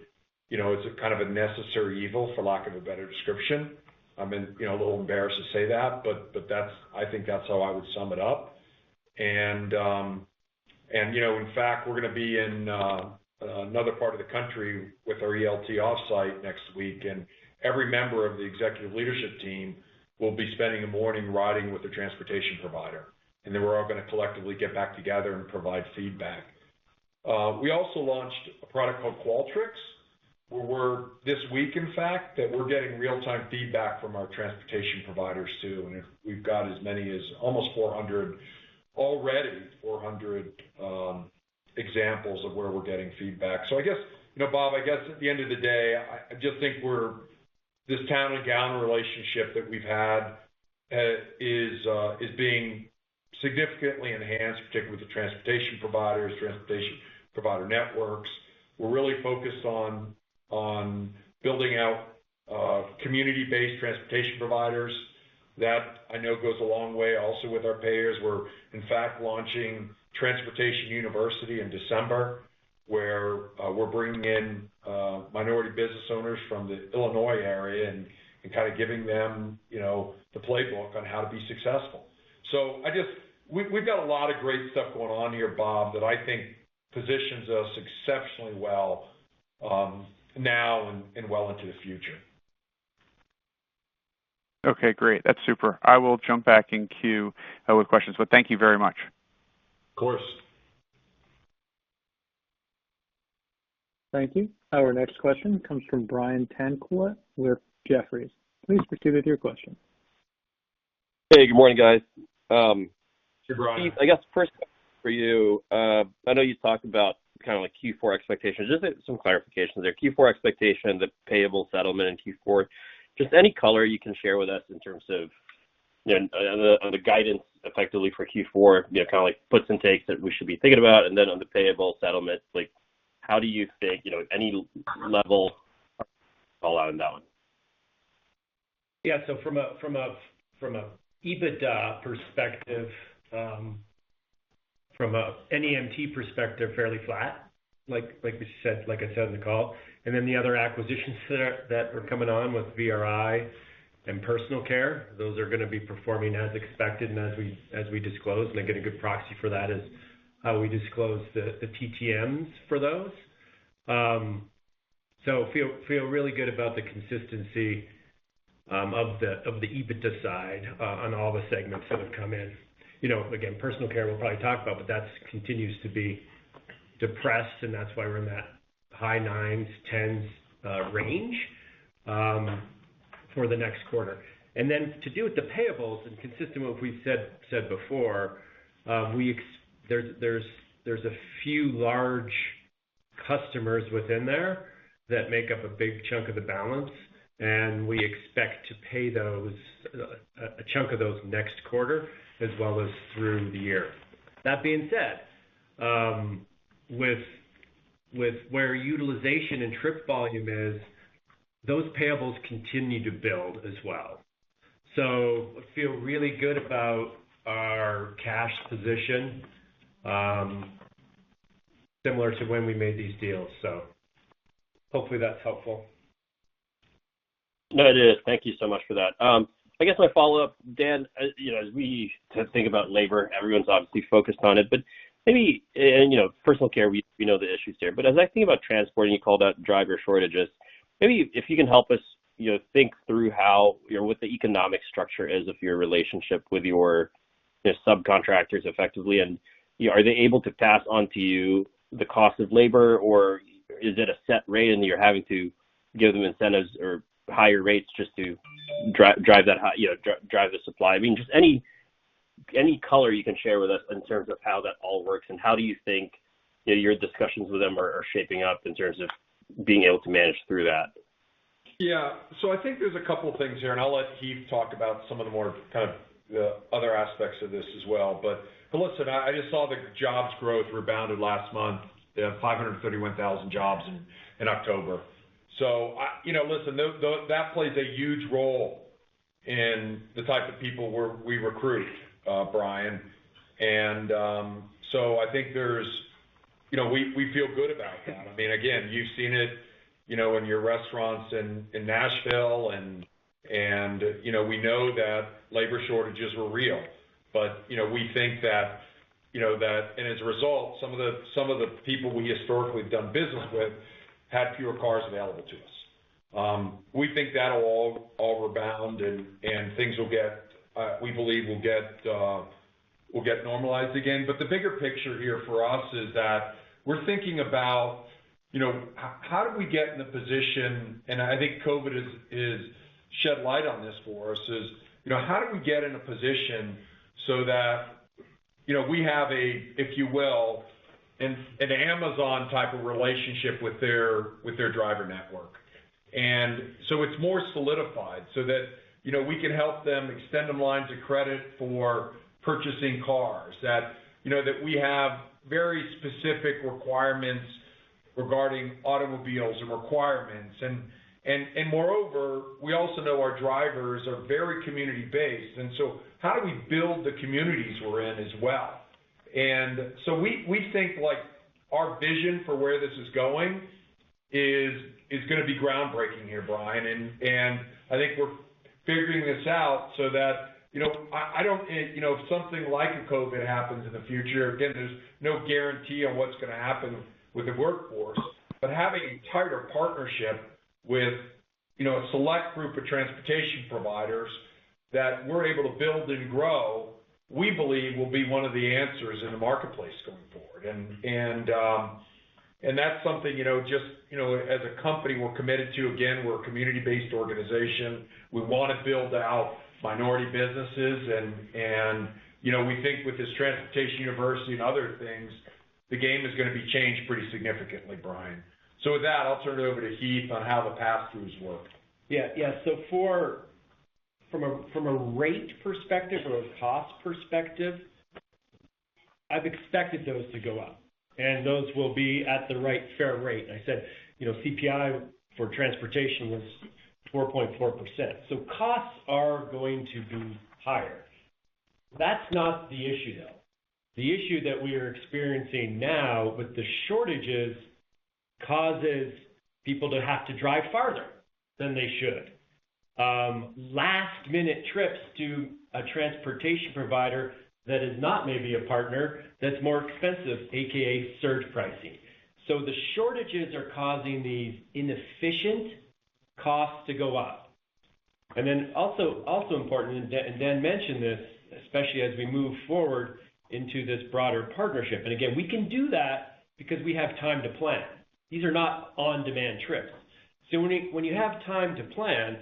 Speaker 3: you know, as a kind of a necessary evil, for lack of a better description. I'm you know a little embarrassed to say that, but that's. I think that's how I would sum it up. In fact, we're gonna be in another part of the country with our ELT offsite next week, and every member of the executive leadership team will be spending a morning riding with a transportation provider, and then we're all gonna collectively get back together and provide feedback. We also launched a product called Qualtrics, where we're this week in fact that we're getting real-time feedback from our transportation providers too. If we've got as many as almost 400 already, examples of where we're getting feedback. I guess, Bob, I guess at the end of the day, I just think we're this town and gown relationship that we've had is being significantly enhanced, particularly with the transportation providers, transportation provider networks. We're really focused on building out community-based transportation providers. That I know goes a long way also with our payers. We're in fact launching Transportation University in December, where we're bringing in minority business owners from the Illinois area and kinda giving them, you know, the playbook on how to be successful. I just We, we've got a lot of great stuff going on here, Bob, that I think positions us exceptionally well, now and well into the future.
Speaker 5: Okay, great. That's super. I will jump back in queue with questions, but thank you very much.
Speaker 3: Of course.
Speaker 1: Thank you. Our next question comes from Brian Tanquilut with Jefferies. Please proceed with your question.
Speaker 6: Hey, good morning, guys.
Speaker 3: Good morning.
Speaker 6: Heath, I guess first for you. I know you talked about kinda like Q4 expectations. Just some clarification there. Q4 expectations, the payable settlement in Q4. Just any color you can share with us in terms of the guidance effectively for Q4, you know, kinda like puts and takes that we should be thinking about. On the payable settlements, like how do you think, you know, any level allowed on that one?
Speaker 4: From a EBITDA perspective, from a NEMT perspective, fairly flat, like I said in the call. Then the other acquisitions that are coming on with VRI and personal care, those are gonna be performing as expected and as we disclose. I think a good proxy for that is how we disclose the TTMs for those. Feel really good about the consistency of the EBITDA side on all the segments that have come in. You know, again, personal care we'll probably talk about, but that's continues to be depressed and that's why we're in that high nines, tens range for the next quarter. To do with the payables and consistent with what we've said before, we expect there's a few large customers within there that make up a big chunk of the balance, and we expect to pay those, a chunk of those next quarter as well as through the year. That being said, with where utilization and trip volume is, those payables continue to build as well. I feel really good about our cash position, similar to when we made these deals. Hopefully that's helpful.
Speaker 6: No, it is. Thank you so much for that. I guess my follow-up, Dan, as you know, as we think about labor, everyone's obviously focused on it. But maybe you know, personal care, we know the issues there. But as I think about transporting, you called out driver shortages. Maybe if you can help us think through how what the economic structure is of your relationship with your subcontractors effectively. And are they able to pass on to you the cost of labor, or is it a set rate and you're having to give them incentives or higher rates just to drive that, you know, drive the supply? I mean, just any color you can share with us in terms of how that all works, and how do you think your discussions with them are shaping up in terms of being able to manage through that?
Speaker 3: Yeah. I think there's a couple of things here, and I'll let Heath talk about some of the more kind of the other aspects of this as well. But listen, I just saw the job growth rebounded last month, the 531,000 jobs in October. You know, listen, that plays a huge role in the type of people we recruit, Brian. I think there's, you know, we feel good about that. I mean, again, you've seen it, you know, in your restaurants in Nashville, and you know, we know that labor shortages were real. But you know, we think that, you know, that and as a result, some of the people we historically have done business with had fewer cars available to us. We think that'll all rebound and things will get, we believe, will get normalized again. The bigger picture here for us is that we're thinking about, you know, how do we get in a position, and I think COVID has shed light on this for us, you know, how do we get in a position so that, you know, we have a, if you will, an Amazon type of relationship with their driver network. It's more solidified so that, you know, we can help them extend them lines of credit for purchasing cars that, you know, that we have very specific requirements regarding automobiles and requirements. Moreover, we also know our drivers are very community-based, and so how do we build the communities we're in as well? We think, like, our vision for where this is going is gonna be groundbreaking here, Brian. I think we're figuring this out so that, you know, I don't think, you know, if something like a COVID happens in the future, again, there's no guarantee on what's gonna happen with the workforce. Having a tighter partnership with, you know, a select group of transportation providers that we're able to build and grow, we believe will be one of the answers in the marketplace going forward. That's something, you know, just, you know, as a company, we're committed to. Again, we're a community-based organization. We wanna build out minority businesses and, you know, we think with this Transportation University and other things, the game is gonna be changed pretty significantly, Brian. With that, I'll turn it over to Heath on how the pass-throughs work.
Speaker 4: Yeah. From a rate perspective or a cost perspective, I've expected those to go up, and those will be at the right fair rate. I said, you know, CPI for transportation was 4.4%, so costs are going to be higher. That's not the issue, though. The issue that we are experiencing now with the shortages causes people to have to drive farther than they should, last-minute trips to a transportation provider that is not maybe a partner that's more expensive, aka surge pricing. The shortages are causing these inefficient costs to go up. Then also important, Dan mentioned this, especially as we move forward into this broader partnership. Again, we can do that because we have time to plan. These are not on-demand trips. When you have time to plan,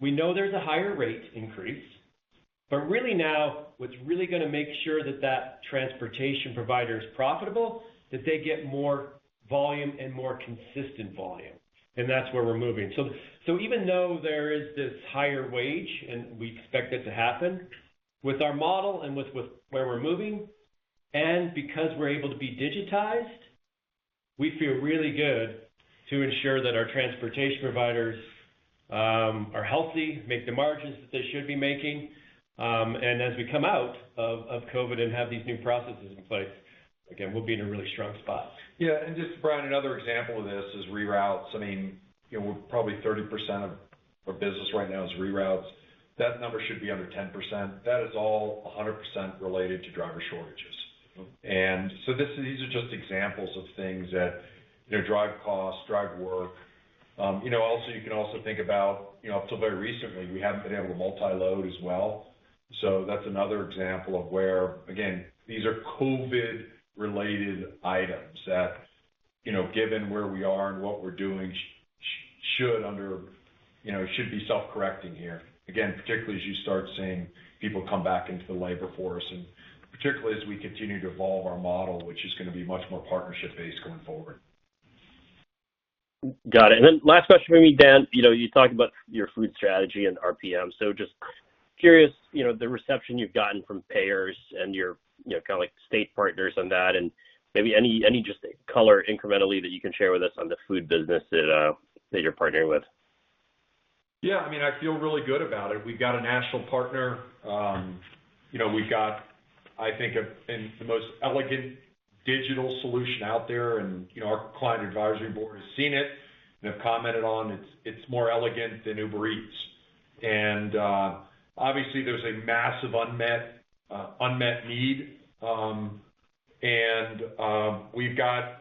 Speaker 4: we know there's a higher rate increase. Really now, what's really gonna make sure that transportation provider is profitable, that they get more volume and more consistent volume. That's where we're moving. Even though there is this higher wage, and we expect it to happen, with our model and with where we're moving, and because we're able to be digitized, we feel really good to ensure that our transportation providers are healthy, make the margins that they should be making. As we come out of COVID and have these new processes in place, again, we'll be in a really strong spot.
Speaker 3: Yeah. Just Brian, another example of this is reroutes. I mean, you know, probably 30% of our business right now is reroutes. That number should be under 10%. That is all 100% related to driver shortages. This, these are just examples of things that, you know, drive costs, drive work. You know, also, you can also think about, you know, until very recently, we haven't been able to multi-load as well. That's another example of where, again, these are COVID-related items that you know, given where we are and what we're doing you know, should be self-correcting here. Again, particularly as you start seeing people come back into the labor force, and particularly as we continue to evolve our model, which is gonna be much more partnership-based going forward.
Speaker 6: Got it. Last question for me, Dan. You know, you talked about your food strategy and RPM. Just curious, you know, the reception you've gotten from payers and your, you know, kinda like state partners on that, and maybe any just color incrementally that you can share with us on the food business that you're partnering with?
Speaker 3: Yeah, I mean, I feel really good about it. We've got a national partner, you know, we've got, I think, and the most elegant digital solution out there, and, you know, our client advisory board has seen it and have commented on it. It's more elegant than Uber Eats. Obviously, there's a massive unmet need.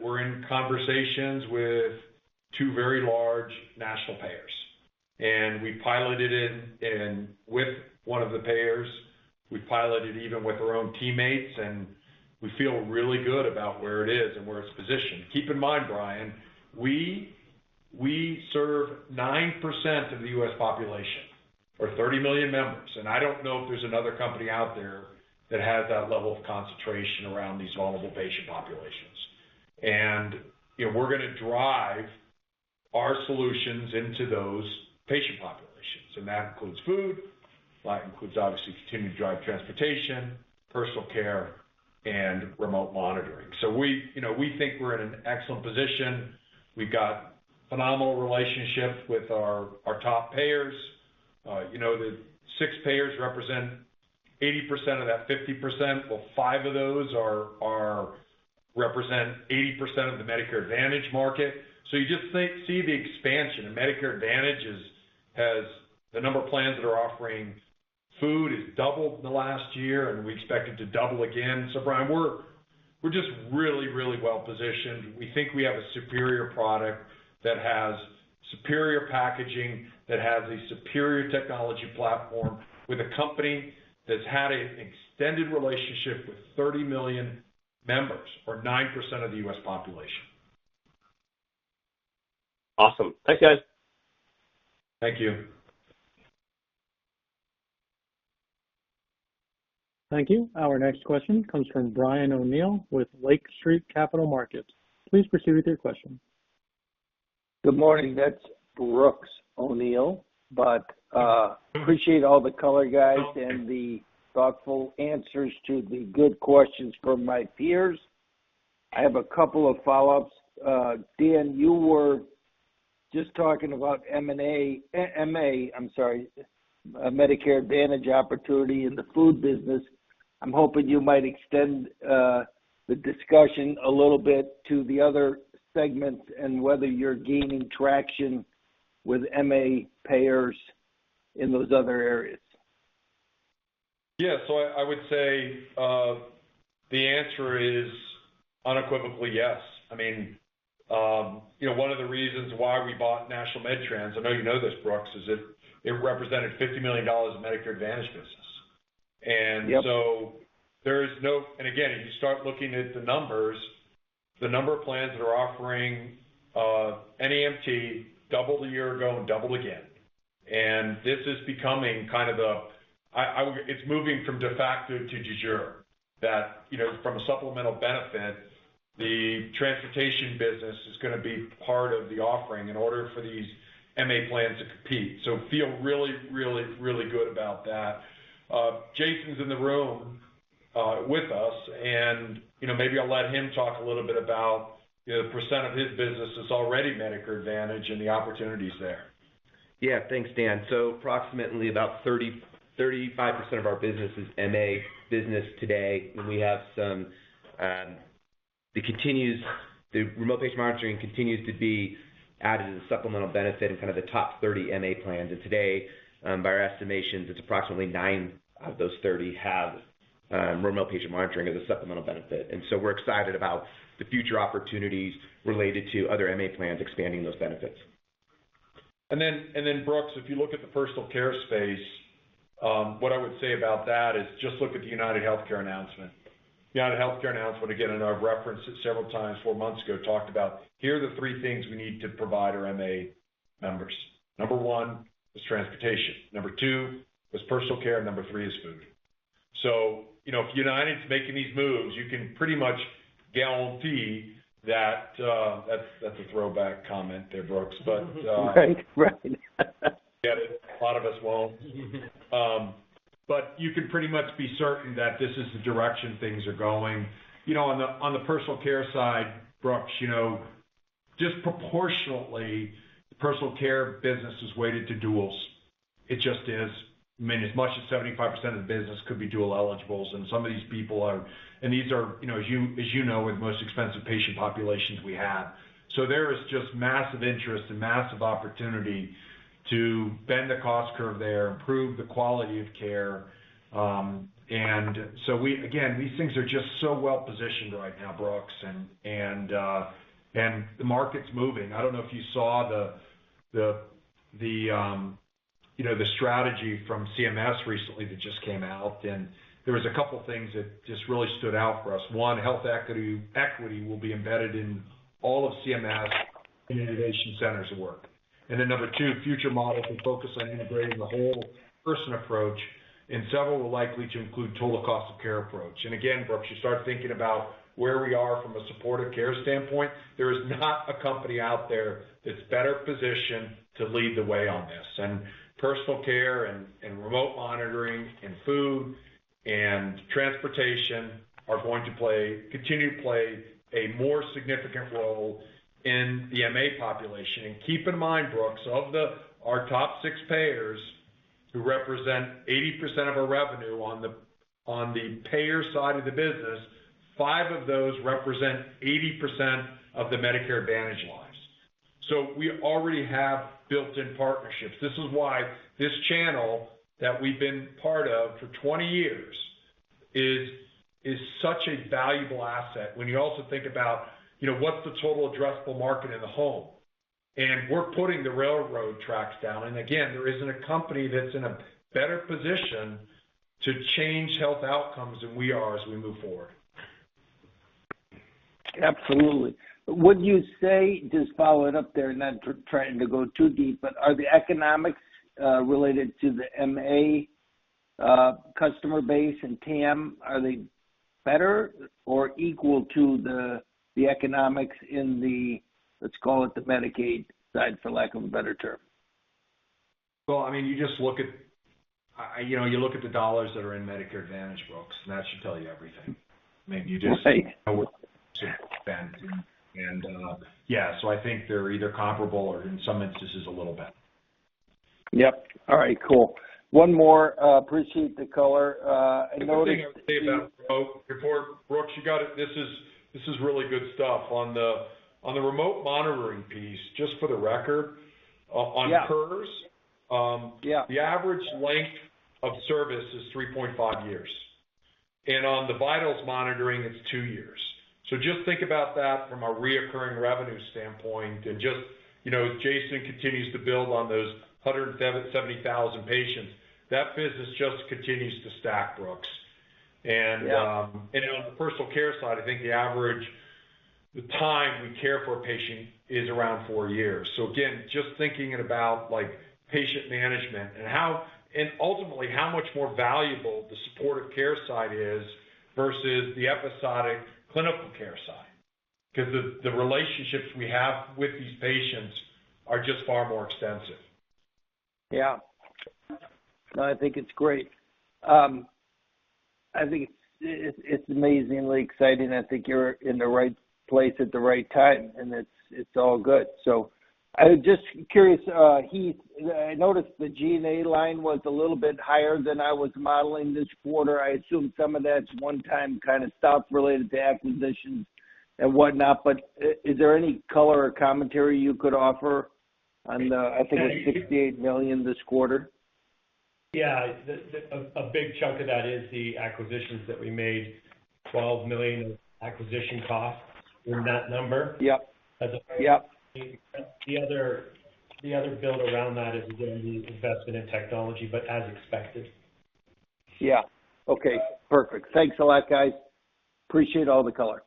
Speaker 3: We're in conversations with two very large national payers. We piloted it in with one of the payers. We piloted even with our own teammates, and we feel really good about where it is and where it's positioned. Keep in mind, Brian, we serve 9% of the U.S. population or 30 million members, and I don't know if there's another company out there that has that level of concentration around these vulnerable patient populations. You know, we're gonna drive our solutions into those patient populations, and that includes food, that includes obviously continuing to drive transportation, personal care, and remote monitoring. You know, we think we're in an excellent position. We've got phenomenal relationships with our top payers. You know, the six payers represent 80% of that 50%. Well, five of those represent 80% of the Medicare Advantage market. You just see the expansion in Medicare Advantage as the number of plans that are offering food has doubled in the last year, and we expect it to double again. Brian, we're just really well positioned. We think we have a superior product that has superior packaging, that has a superior technology platform with a company that's had an extended relationship with 30 million members or 9% of the U.S. population.
Speaker 6: Awesome. Thanks, guys.
Speaker 3: Thank you.
Speaker 1: Thank you. Our next question comes from Brooks O'Neil with Lake Street Capital Markets. Please proceed with your question.
Speaker 7: Good morning. That's Brooks O'Neil. Appreciate all the color guys and the thoughtful answers to the good questions from my peers. I have a couple of follow-ups. Dan, you were just talking about Medicare Advantage opportunity in the food business. I'm hoping you might extend the discussion a little bit to the other segments and whether you're gaining traction with MA payers in those other areas.
Speaker 3: Yeah. I would say the answer is unequivocally yes. I mean, you know, one of the reasons why we bought National MedTrans, I know you know this, Brooks, is it represented $50 million of Medicare Advantage business.
Speaker 7: Yep.
Speaker 3: Again, if you start looking at the numbers, the number of plans that are offering NEMT doubled a year ago and doubled again. This is moving from de facto to de jure that, you know, from a supplemental benefit, the transportation business is gonna be part of the offering in order for these MA plans to compete. Feel really good about that. Jason's in the room with us and, you know, maybe I'll let him talk a little bit about, you know, percent of his business that's already Medicare Advantage and the opportunities there.
Speaker 8: Yeah. Thanks, Dan. Approximately about 30-35% of our business is MA business today, and we have some. The remote patient monitoring continues to be added as a supplemental benefit in kind of the top 30 MA plans. Today, by our estimations, it's approximately nine of those 30 have remote patient monitoring as a supplemental benefit. We're excited about the future opportunities related to other MA plans expanding those benefits.
Speaker 3: Brooks, if you look at the personal care space, what I would say about that is just look at the UnitedHealthcare announcement. UnitedHealthcare announcement, again, and I've referenced it several times four months ago, talked about here are the three things we need to provide our MA members. Number one is transportation, number one is personal care, number three is food. You know, if United's making these moves, you can pretty much guarantee that. That's a throwback comment there, Brooks.
Speaker 7: Right, right.
Speaker 3: Get it? A lot of us won't. You can pretty much be certain that this is the direction things are going. You know, on the personal care side, Brooks, you know, disproportionately, the personal care business is weighted to duals. It just is. I mean, as much as 75% of the business could be dual eligibles, and these are, you know, as you know, the most expensive patient populations we have. There is just massive interest and massive opportunity to bend the cost curve there, improve the quality of care. Again, these things are just so well positioned right now, Brooks, and the market's moving. I don't know if you saw you know, the strategy from CMS recently that just came out, and there was a couple things that just really stood out for us. One, health equity will be embedded in all of CMS and innovation centers of work. Number two, future models will focus on integrating the whole person approach, and several will likely to include total cost of care approach. Again, Brooks, you start thinking about where we are from a supportive care standpoint. There is not a company out there that's better positioned to lead the way on this. Personal care and remote monitoring and food and transportation are going to continue to play a more significant role in the MA population. Keep in mind, Brooks, of our top six payers who represent 80% of our revenue on the payer side of the business, five of those represent 80% of the Medicare Advantage lines. We already have built-in partnerships. This is why this channel that we've been part of for 20 years is such a valuable asset. When you also think about, you know, what's the total addressable market in the home, and we're putting the railroad tracks down. Again, there isn't a company that's in a better position to change health outcomes than we are as we move forward.
Speaker 7: Absolutely. Would you say, just following up there and not trying to go too deep, but are the economics related to the MA customer base and TAM, are they better or equal to the economics in the, let's call it the Medicaid side, for lack of a better term?
Speaker 3: Well, I mean, you know, you look at the dollars that are in Medicare Advantage, Brooks, and that should tell you everything. I mean, you just-
Speaker 7: Right.
Speaker 3: I think they're either comparable or in some instances a little better.
Speaker 7: Yep. All right, cool. One more. Appreciate the color, and notice.
Speaker 3: The thing I would say about remote before, Brooks, you got it. This is really good stuff. On the remote monitoring piece, just for the record.
Speaker 7: Yeah.
Speaker 3: On PERS-
Speaker 7: Yeah.
Speaker 3: The average length of service is 3.5 years, and on the vitals monitoring, it's two years. Just think about that from a recurring revenue standpoint and just, you know, as Jason continues to build on those 70,000 patients, that business just continues to stack, Brooks.
Speaker 7: Yeah.
Speaker 3: On the personal care side, I think the average time we care for a patient is around four years. Again, just thinking about like patient management, and ultimately how much more valuable the supportive care side is versus the episodic clinical care side. 'Cause the relationships we have with these patients are just far more extensive.
Speaker 7: Yeah. No, I think it's great. I think it's amazingly exciting, and I think you're in the right place at the right time, and it's all good. I was just curious, Heath, I noticed the G&A line was a little bit higher than I was modeling this quarter. I assume some of that's one time kind of stuff related to acquisitions and whatnot. Is there any color or commentary you could offer on the, I think, the $68 million this quarter?
Speaker 4: Yeah. The big chunk of that is the acquisitions that we made, $12 million of acquisition costs in that number.
Speaker 7: Yep. Yep.
Speaker 4: The other build around that is again the investment in technology, but as expected.
Speaker 7: Yeah. Okay, perfect. Thanks a lot, guys. Appreciate all the color.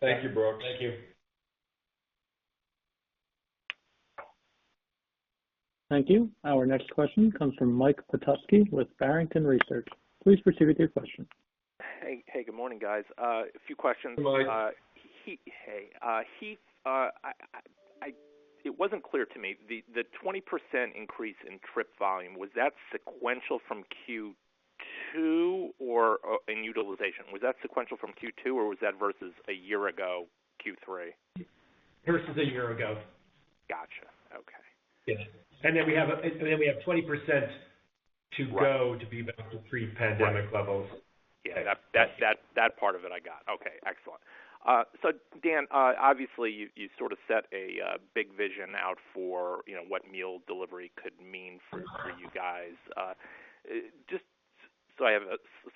Speaker 3: Thank you, Brooks.
Speaker 4: Thank you.
Speaker 1: Thank you. Our next question comes from Mike Petusky with Barrington Research. Please proceed with your question.
Speaker 9: Hey. Hey, good morning, guys. A few questions.
Speaker 3: Hey, Mike.
Speaker 9: Heath, it wasn't clear to me. The 20% increase in trip volume or in utilization, was that sequential from Q2, or was that versus a year ago, Q3?
Speaker 4: Versus a year ago.
Speaker 9: Gotcha. Okay.
Speaker 4: Yeah. We have 20% to go.
Speaker 9: Right.
Speaker 4: To be back to pre-pandemic levels.
Speaker 9: Right. Yeah. That part of it I got. Okay, excellent. So Dan, obviously you sort of set a big vision out for, you know, what meal delivery could mean for you guys. Just so I have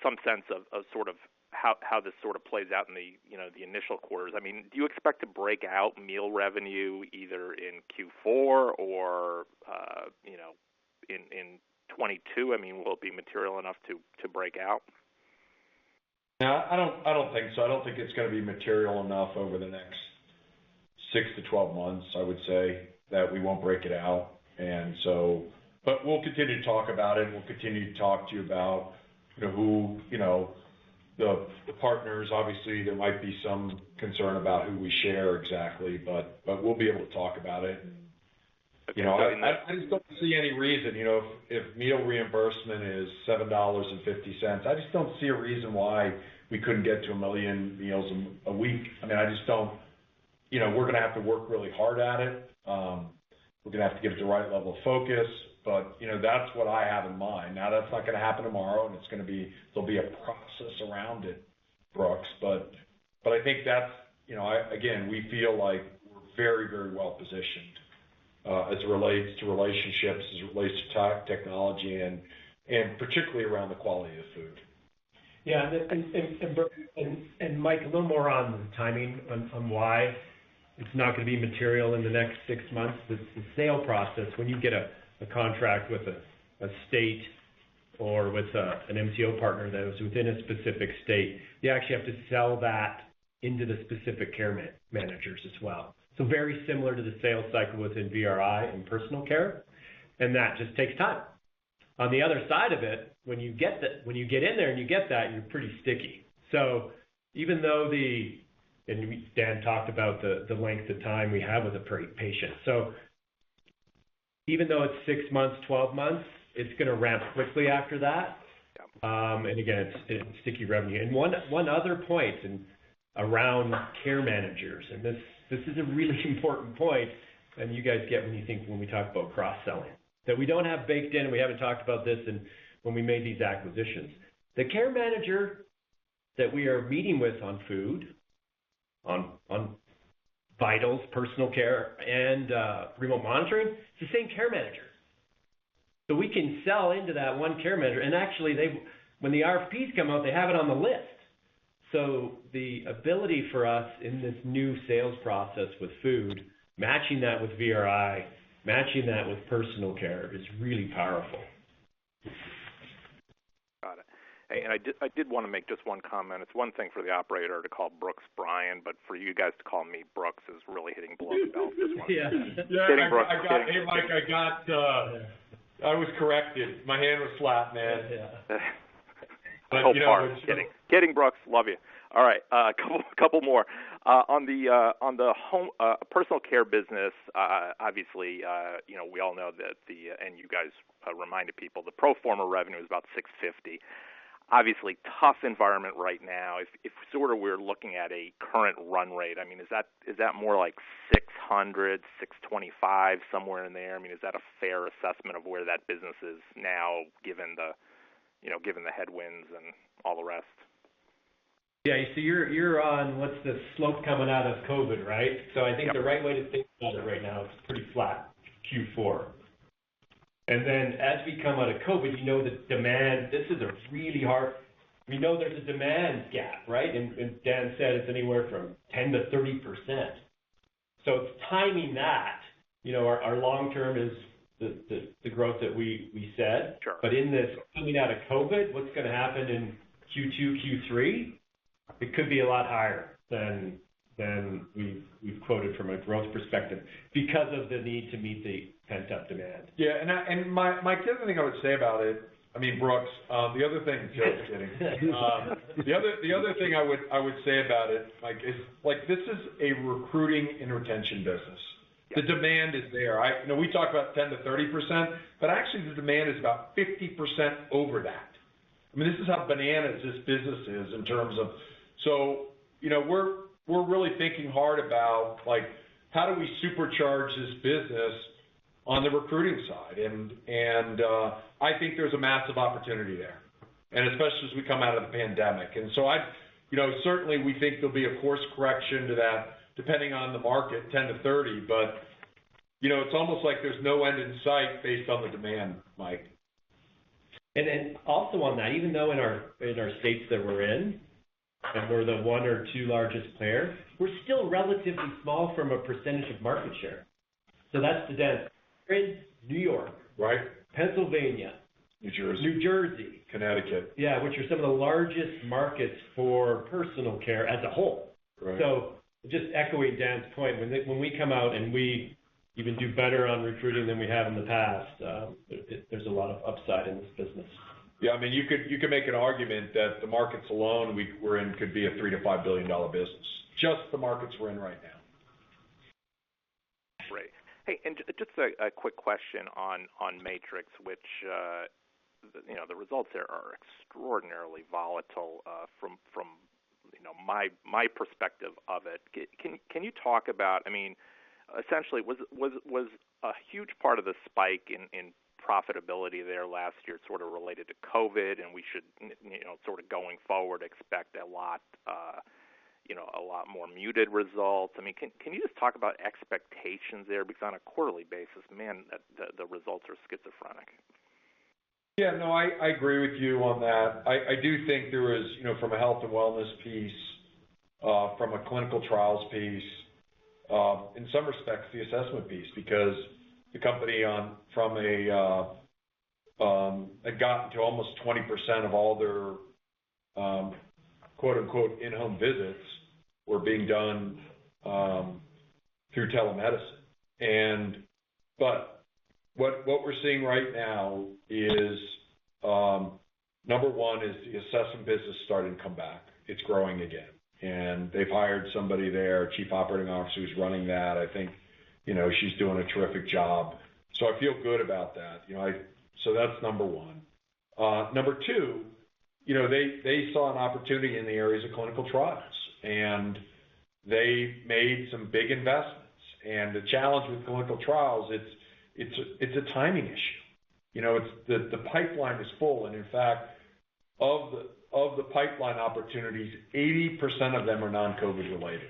Speaker 9: some sense of sort of how this sort of plays out in the, you know, the initial quarters. I mean, do you expect to break out meal revenue either in Q4 or, you know, in 2022? I mean, will it be material enough to break out?
Speaker 3: No, I don't think so. I don't think it's gonna be material enough over the next six to 12 months, I would say, that we won't break it out. We'll continue to talk about it. We'll continue to talk to you about, you know, who, you know, the partners. Obviously, there might be some concern about who we share exactly, but we'll be able to talk about it. You know, I just don't see any reason, you know, if meal reimbursement is $7.50, I just don't see a reason why we couldn't get to 1 million meals a week. I mean. You know, we're gonna have to work really hard at it. We're gonna have to give it the right level of focus. You know, that's what I have in mind. Now, that's not gonna happen tomorrow, and there'll be a process around it, Brooks. I think that's, you know, again, we feel like we're very, very well positioned, as it relates to relationships, as it relates to technology and particularly around the quality of food.
Speaker 4: Brooks and Mike, a little more on the timing and why it's not gonna be material in the next 6 months. The sale process, when you get a contract with a state or with an MCO partner that is within a specific state, you actually have to sell that into the specific care managers as well. Very similar to the sales cycle within VRI and personal care, and that just takes time. On the other side of it, when you get in there and you get that, you're pretty sticky. Dan talked about the length of time we have with a patient. Even though it's months, 12 months, it's gonna ramp quickly after that. Again, it's sticky revenue. One other point around care managers. This is a really important point. You guys get when you think we talk about cross-selling. We don't have baked in. We haven't talked about this when we made these acquisitions. The care manager that we are meeting with on food, vitals, personal care, and remote monitoring, it's the same care manager. We can sell into that one care manager, and actually they have when the RFPs come out, they have it on the list. The ability for us in this new sales process with food, matching that with VRI, matching that with personal care, is really powerful.
Speaker 9: Got it. Hey, I did wanna make just one comment. It's one thing for the operator to call Brooks Brian, but for you guys to call me Brooks is really hitting below the belt. Just wanna-
Speaker 4: Yeah.
Speaker 9: Kidding, Brooks. Kidding.
Speaker 3: Yeah, hey, Mike. I was corrected. My hand was slapped, man.
Speaker 4: Yeah.
Speaker 9: It's all fair. Kidding. Kidding, Brooks. Love you. All right, couple more. On the personal care business, obviously, you know, we all know that, and you guys reminded people, the pro forma revenue is about $650. Obviously, tough environment right now. If sort of we're looking at a current run rate, I mean, is that more like $600, $625, somewhere in there? I mean, is that a fair assessment of where that business is now given the, you know, given the headwinds and all the rest?
Speaker 4: Yeah. You see, you're on, what's the slope coming out of COVID, right?
Speaker 9: Yeah.
Speaker 4: I think the right way to think about it right now is pretty flat, Q4. Then as we come out of COVID, you know the demand, this is a really hard. We know there's a demand gap, right? Dan said it's anywhere from 10%-30%. It's timing that. You know, our long term is the growth that we said.
Speaker 9: Sure.
Speaker 4: In this coming out of COVID, what's gonna happen in Q2, Q3, it could be a lot higher than we've quoted from a growth perspective because of the need to meet the pent-up demand.
Speaker 3: Yeah. Mike, the other thing I would say about it. I mean, Brooks, the other thing. Just kidding. The other thing I would say about it, like, is like this is a recruiting and retention business.
Speaker 9: Yeah.
Speaker 3: The demand is there. You know, we talk about 10%-30%, but actually the demand is about 50% over that. I mean, this is how bananas this business is in terms of. You know, we're really thinking hard about, like, how do we supercharge this business on the recruiting side? I think there's a massive opportunity there, and especially as we come out of the pandemic. You know, certainly we think there'll be a course correction to that depending on the market, 10%-30%, but, you know, it's almost like there's no end in sight based on the demand, Mike.
Speaker 4: Then also on that, even though in our states that we're in, and we're the one or two largest player, we're still relatively small from a percentage of market share. That's the sense. We're in New York-
Speaker 3: Right...
Speaker 4: Pennsylvania-
Speaker 3: New Jersey
Speaker 4: New Jersey.
Speaker 3: Connecticut.
Speaker 4: Yeah. Which are some of the largest markets for personal care as a whole?
Speaker 3: Right.
Speaker 4: Just echoing Dan's point, when we come out and we even do better on recruiting than we have in the past, there's a lot of upside in this business.
Speaker 3: Yeah. I mean, you could make an argument that the markets alone we're in could be a $3 billion-$5 billion business, just the markets we're in right now.
Speaker 9: Great. Hey, a quick question on Matrix, which you know, the results there are extraordinarily volatile from you know, my perspective of it. Can you talk about, I mean, essentially was a huge part of the spike in profitability there last year sort of related to COVID, and we should you know, sort of going forward expect a lot you know, a lot more muted results. I mean, can you just talk about expectations there? Because on a quarterly basis, man, the results are schizophrenic.
Speaker 3: Yeah, no, I agree with you on that. I do think there was, you know, from a health and wellness piece, from a clinical trials piece, in some respects the assessment piece, because the company had gotten to almost 20% of all their quote-unquote "in-home visits" were being done through telemedicine. What we're seeing right now is number one, the assessment business starting to come back. It's growing again. They've hired somebody there, chief operating officer, who's running that. I think, you know, she's doing a terrific job. I feel good about that. You know, that's number one. Number two, you know, they saw an opportunity in the areas of clinical trials, and they made some big investments. The challenge with clinical trials, it's a timing issue. You know, it's the pipeline is full, and in fact, of the pipeline opportunities, 80% of them are non-Covid related.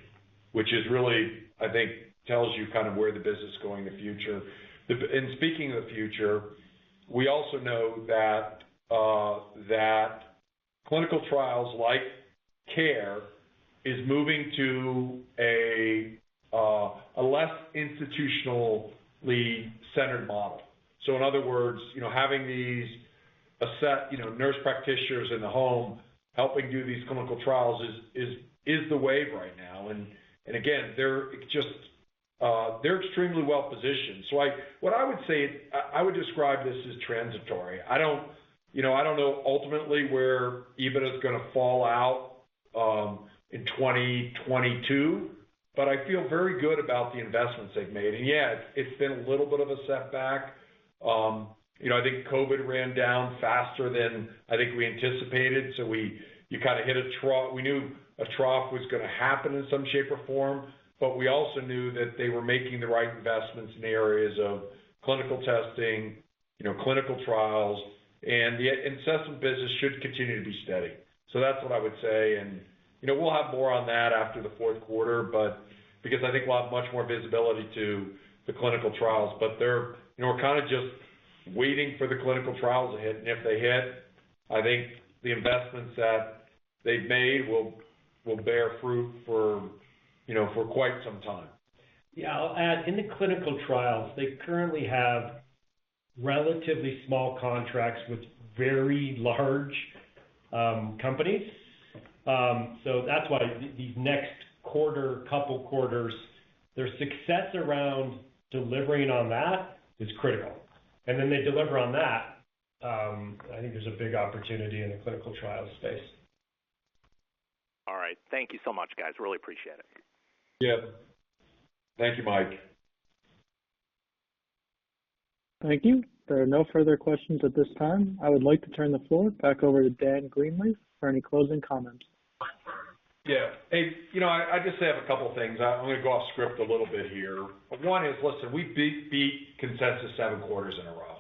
Speaker 3: Which is really, I think, tells you kind of where the business is going in the future. Speaking of the future, we also know that clinical trials like care is moving to a less institutionally centered model. In other words, you know, having these asset, you know, nurse practitioners in the home helping do these clinical trials is the wave right now. Again, they're just extremely well-positioned. What I would say, I would describe this as transitory. I don't, you know, I don't know ultimately where EBITDA is gonna fall out in 2022, but I feel very good about the investments they've made. Yeah, it's been a little bit of a setback. You know, I think COVID ran down faster than I think we anticipated, you kinda hit a trough. We knew a trough was gonna happen in some shape or form, but we also knew that they were making the right investments in the areas of clinical testing, you know, clinical trials, and the assessment business should continue to be steady. That's what I would say. You know, we'll have more on that after the fourth quarter, but because I think we'll have much more visibility to the clinical trials. You know, we're kinda just waiting for the clinical trials to hit. If they hit, I think the investments that they've made will bear fruit for, you know, for quite some time.
Speaker 4: Yeah. I'll add, in the clinical trials, they currently have relatively small contracts with very large companies. That's why these next quarter, couple quarters, their success around delivering on that is critical. Then they deliver on that, I think there's a big opportunity in the clinical trial space.
Speaker 9: All right. Thank you so much, guys. Really appreciate it.
Speaker 3: Yeah. Thank you, Mike.
Speaker 1: Thank you. There are no further questions at this time. I would like to turn the floor back over to Dan Greenleaf for any closing comments.
Speaker 3: Yeah. Hey, you know, I just have a couple things. I'm gonna go off script a little bit here. One is, listen, we beat consensus seven quarters in a row,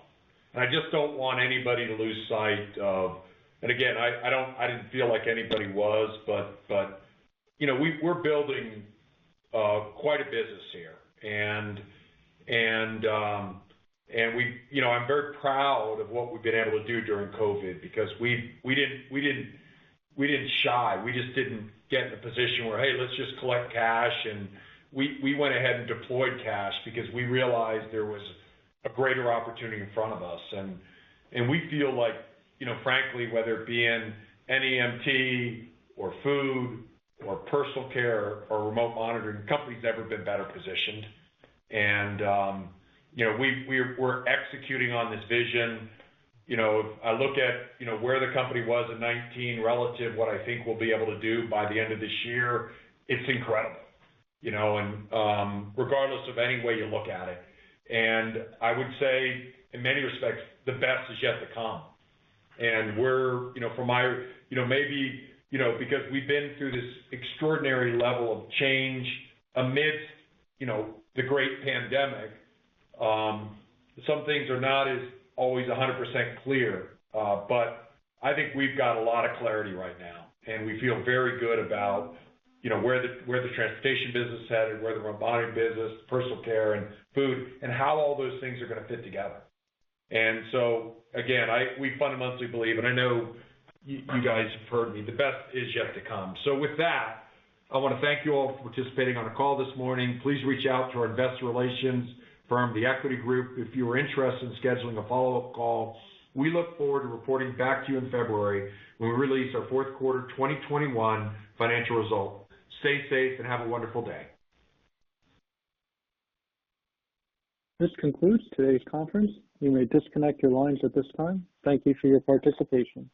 Speaker 3: and I just don't want anybody to lose sight of. Again, I didn't feel like anybody was, but you know, we're building quite a business here. You know, I'm very proud of what we've been able to do during COVID because we didn't shy. We just didn't get in a position where, "Hey, let's just collect cash." We went ahead and deployed cash because we realized there was a greater opportunity in front of us. We feel like, you know, frankly, whether it be in NEMT or food or personal care or remote monitoring, the company's never been better positioned. We're executing on this vision. You know, I look at, you know, where the company was in 2019 relative to what I think we'll be able to do by the end of this year, it's incredible. You know, regardless of any way you look at it. I would say, in many respects, the best is yet to come, because we've been through this extraordinary level of change amidst, you know, the great pandemic, some things are not always 100% clear. I think we've got a lot of clarity right now, and we feel very good about, you know, where the transportation business is headed, where the remote monitoring business, personal care, and food, and how all those things are gonna fit together. Again, we fundamentally believe, and I know you guys have heard me, the best is yet to come. With that, I wanna thank you all for participating on the call this morning. Please reach out to our investor relations firm, The Equity Group, if you are interested in scheduling a follow-up call. We look forward to reporting back to you in February when we release our fourth quarter 2021 financial results. Stay safe and have a wonderful day.
Speaker 1: This concludes today's conference. You may disconnect your lines at this time. Thank you for your participation.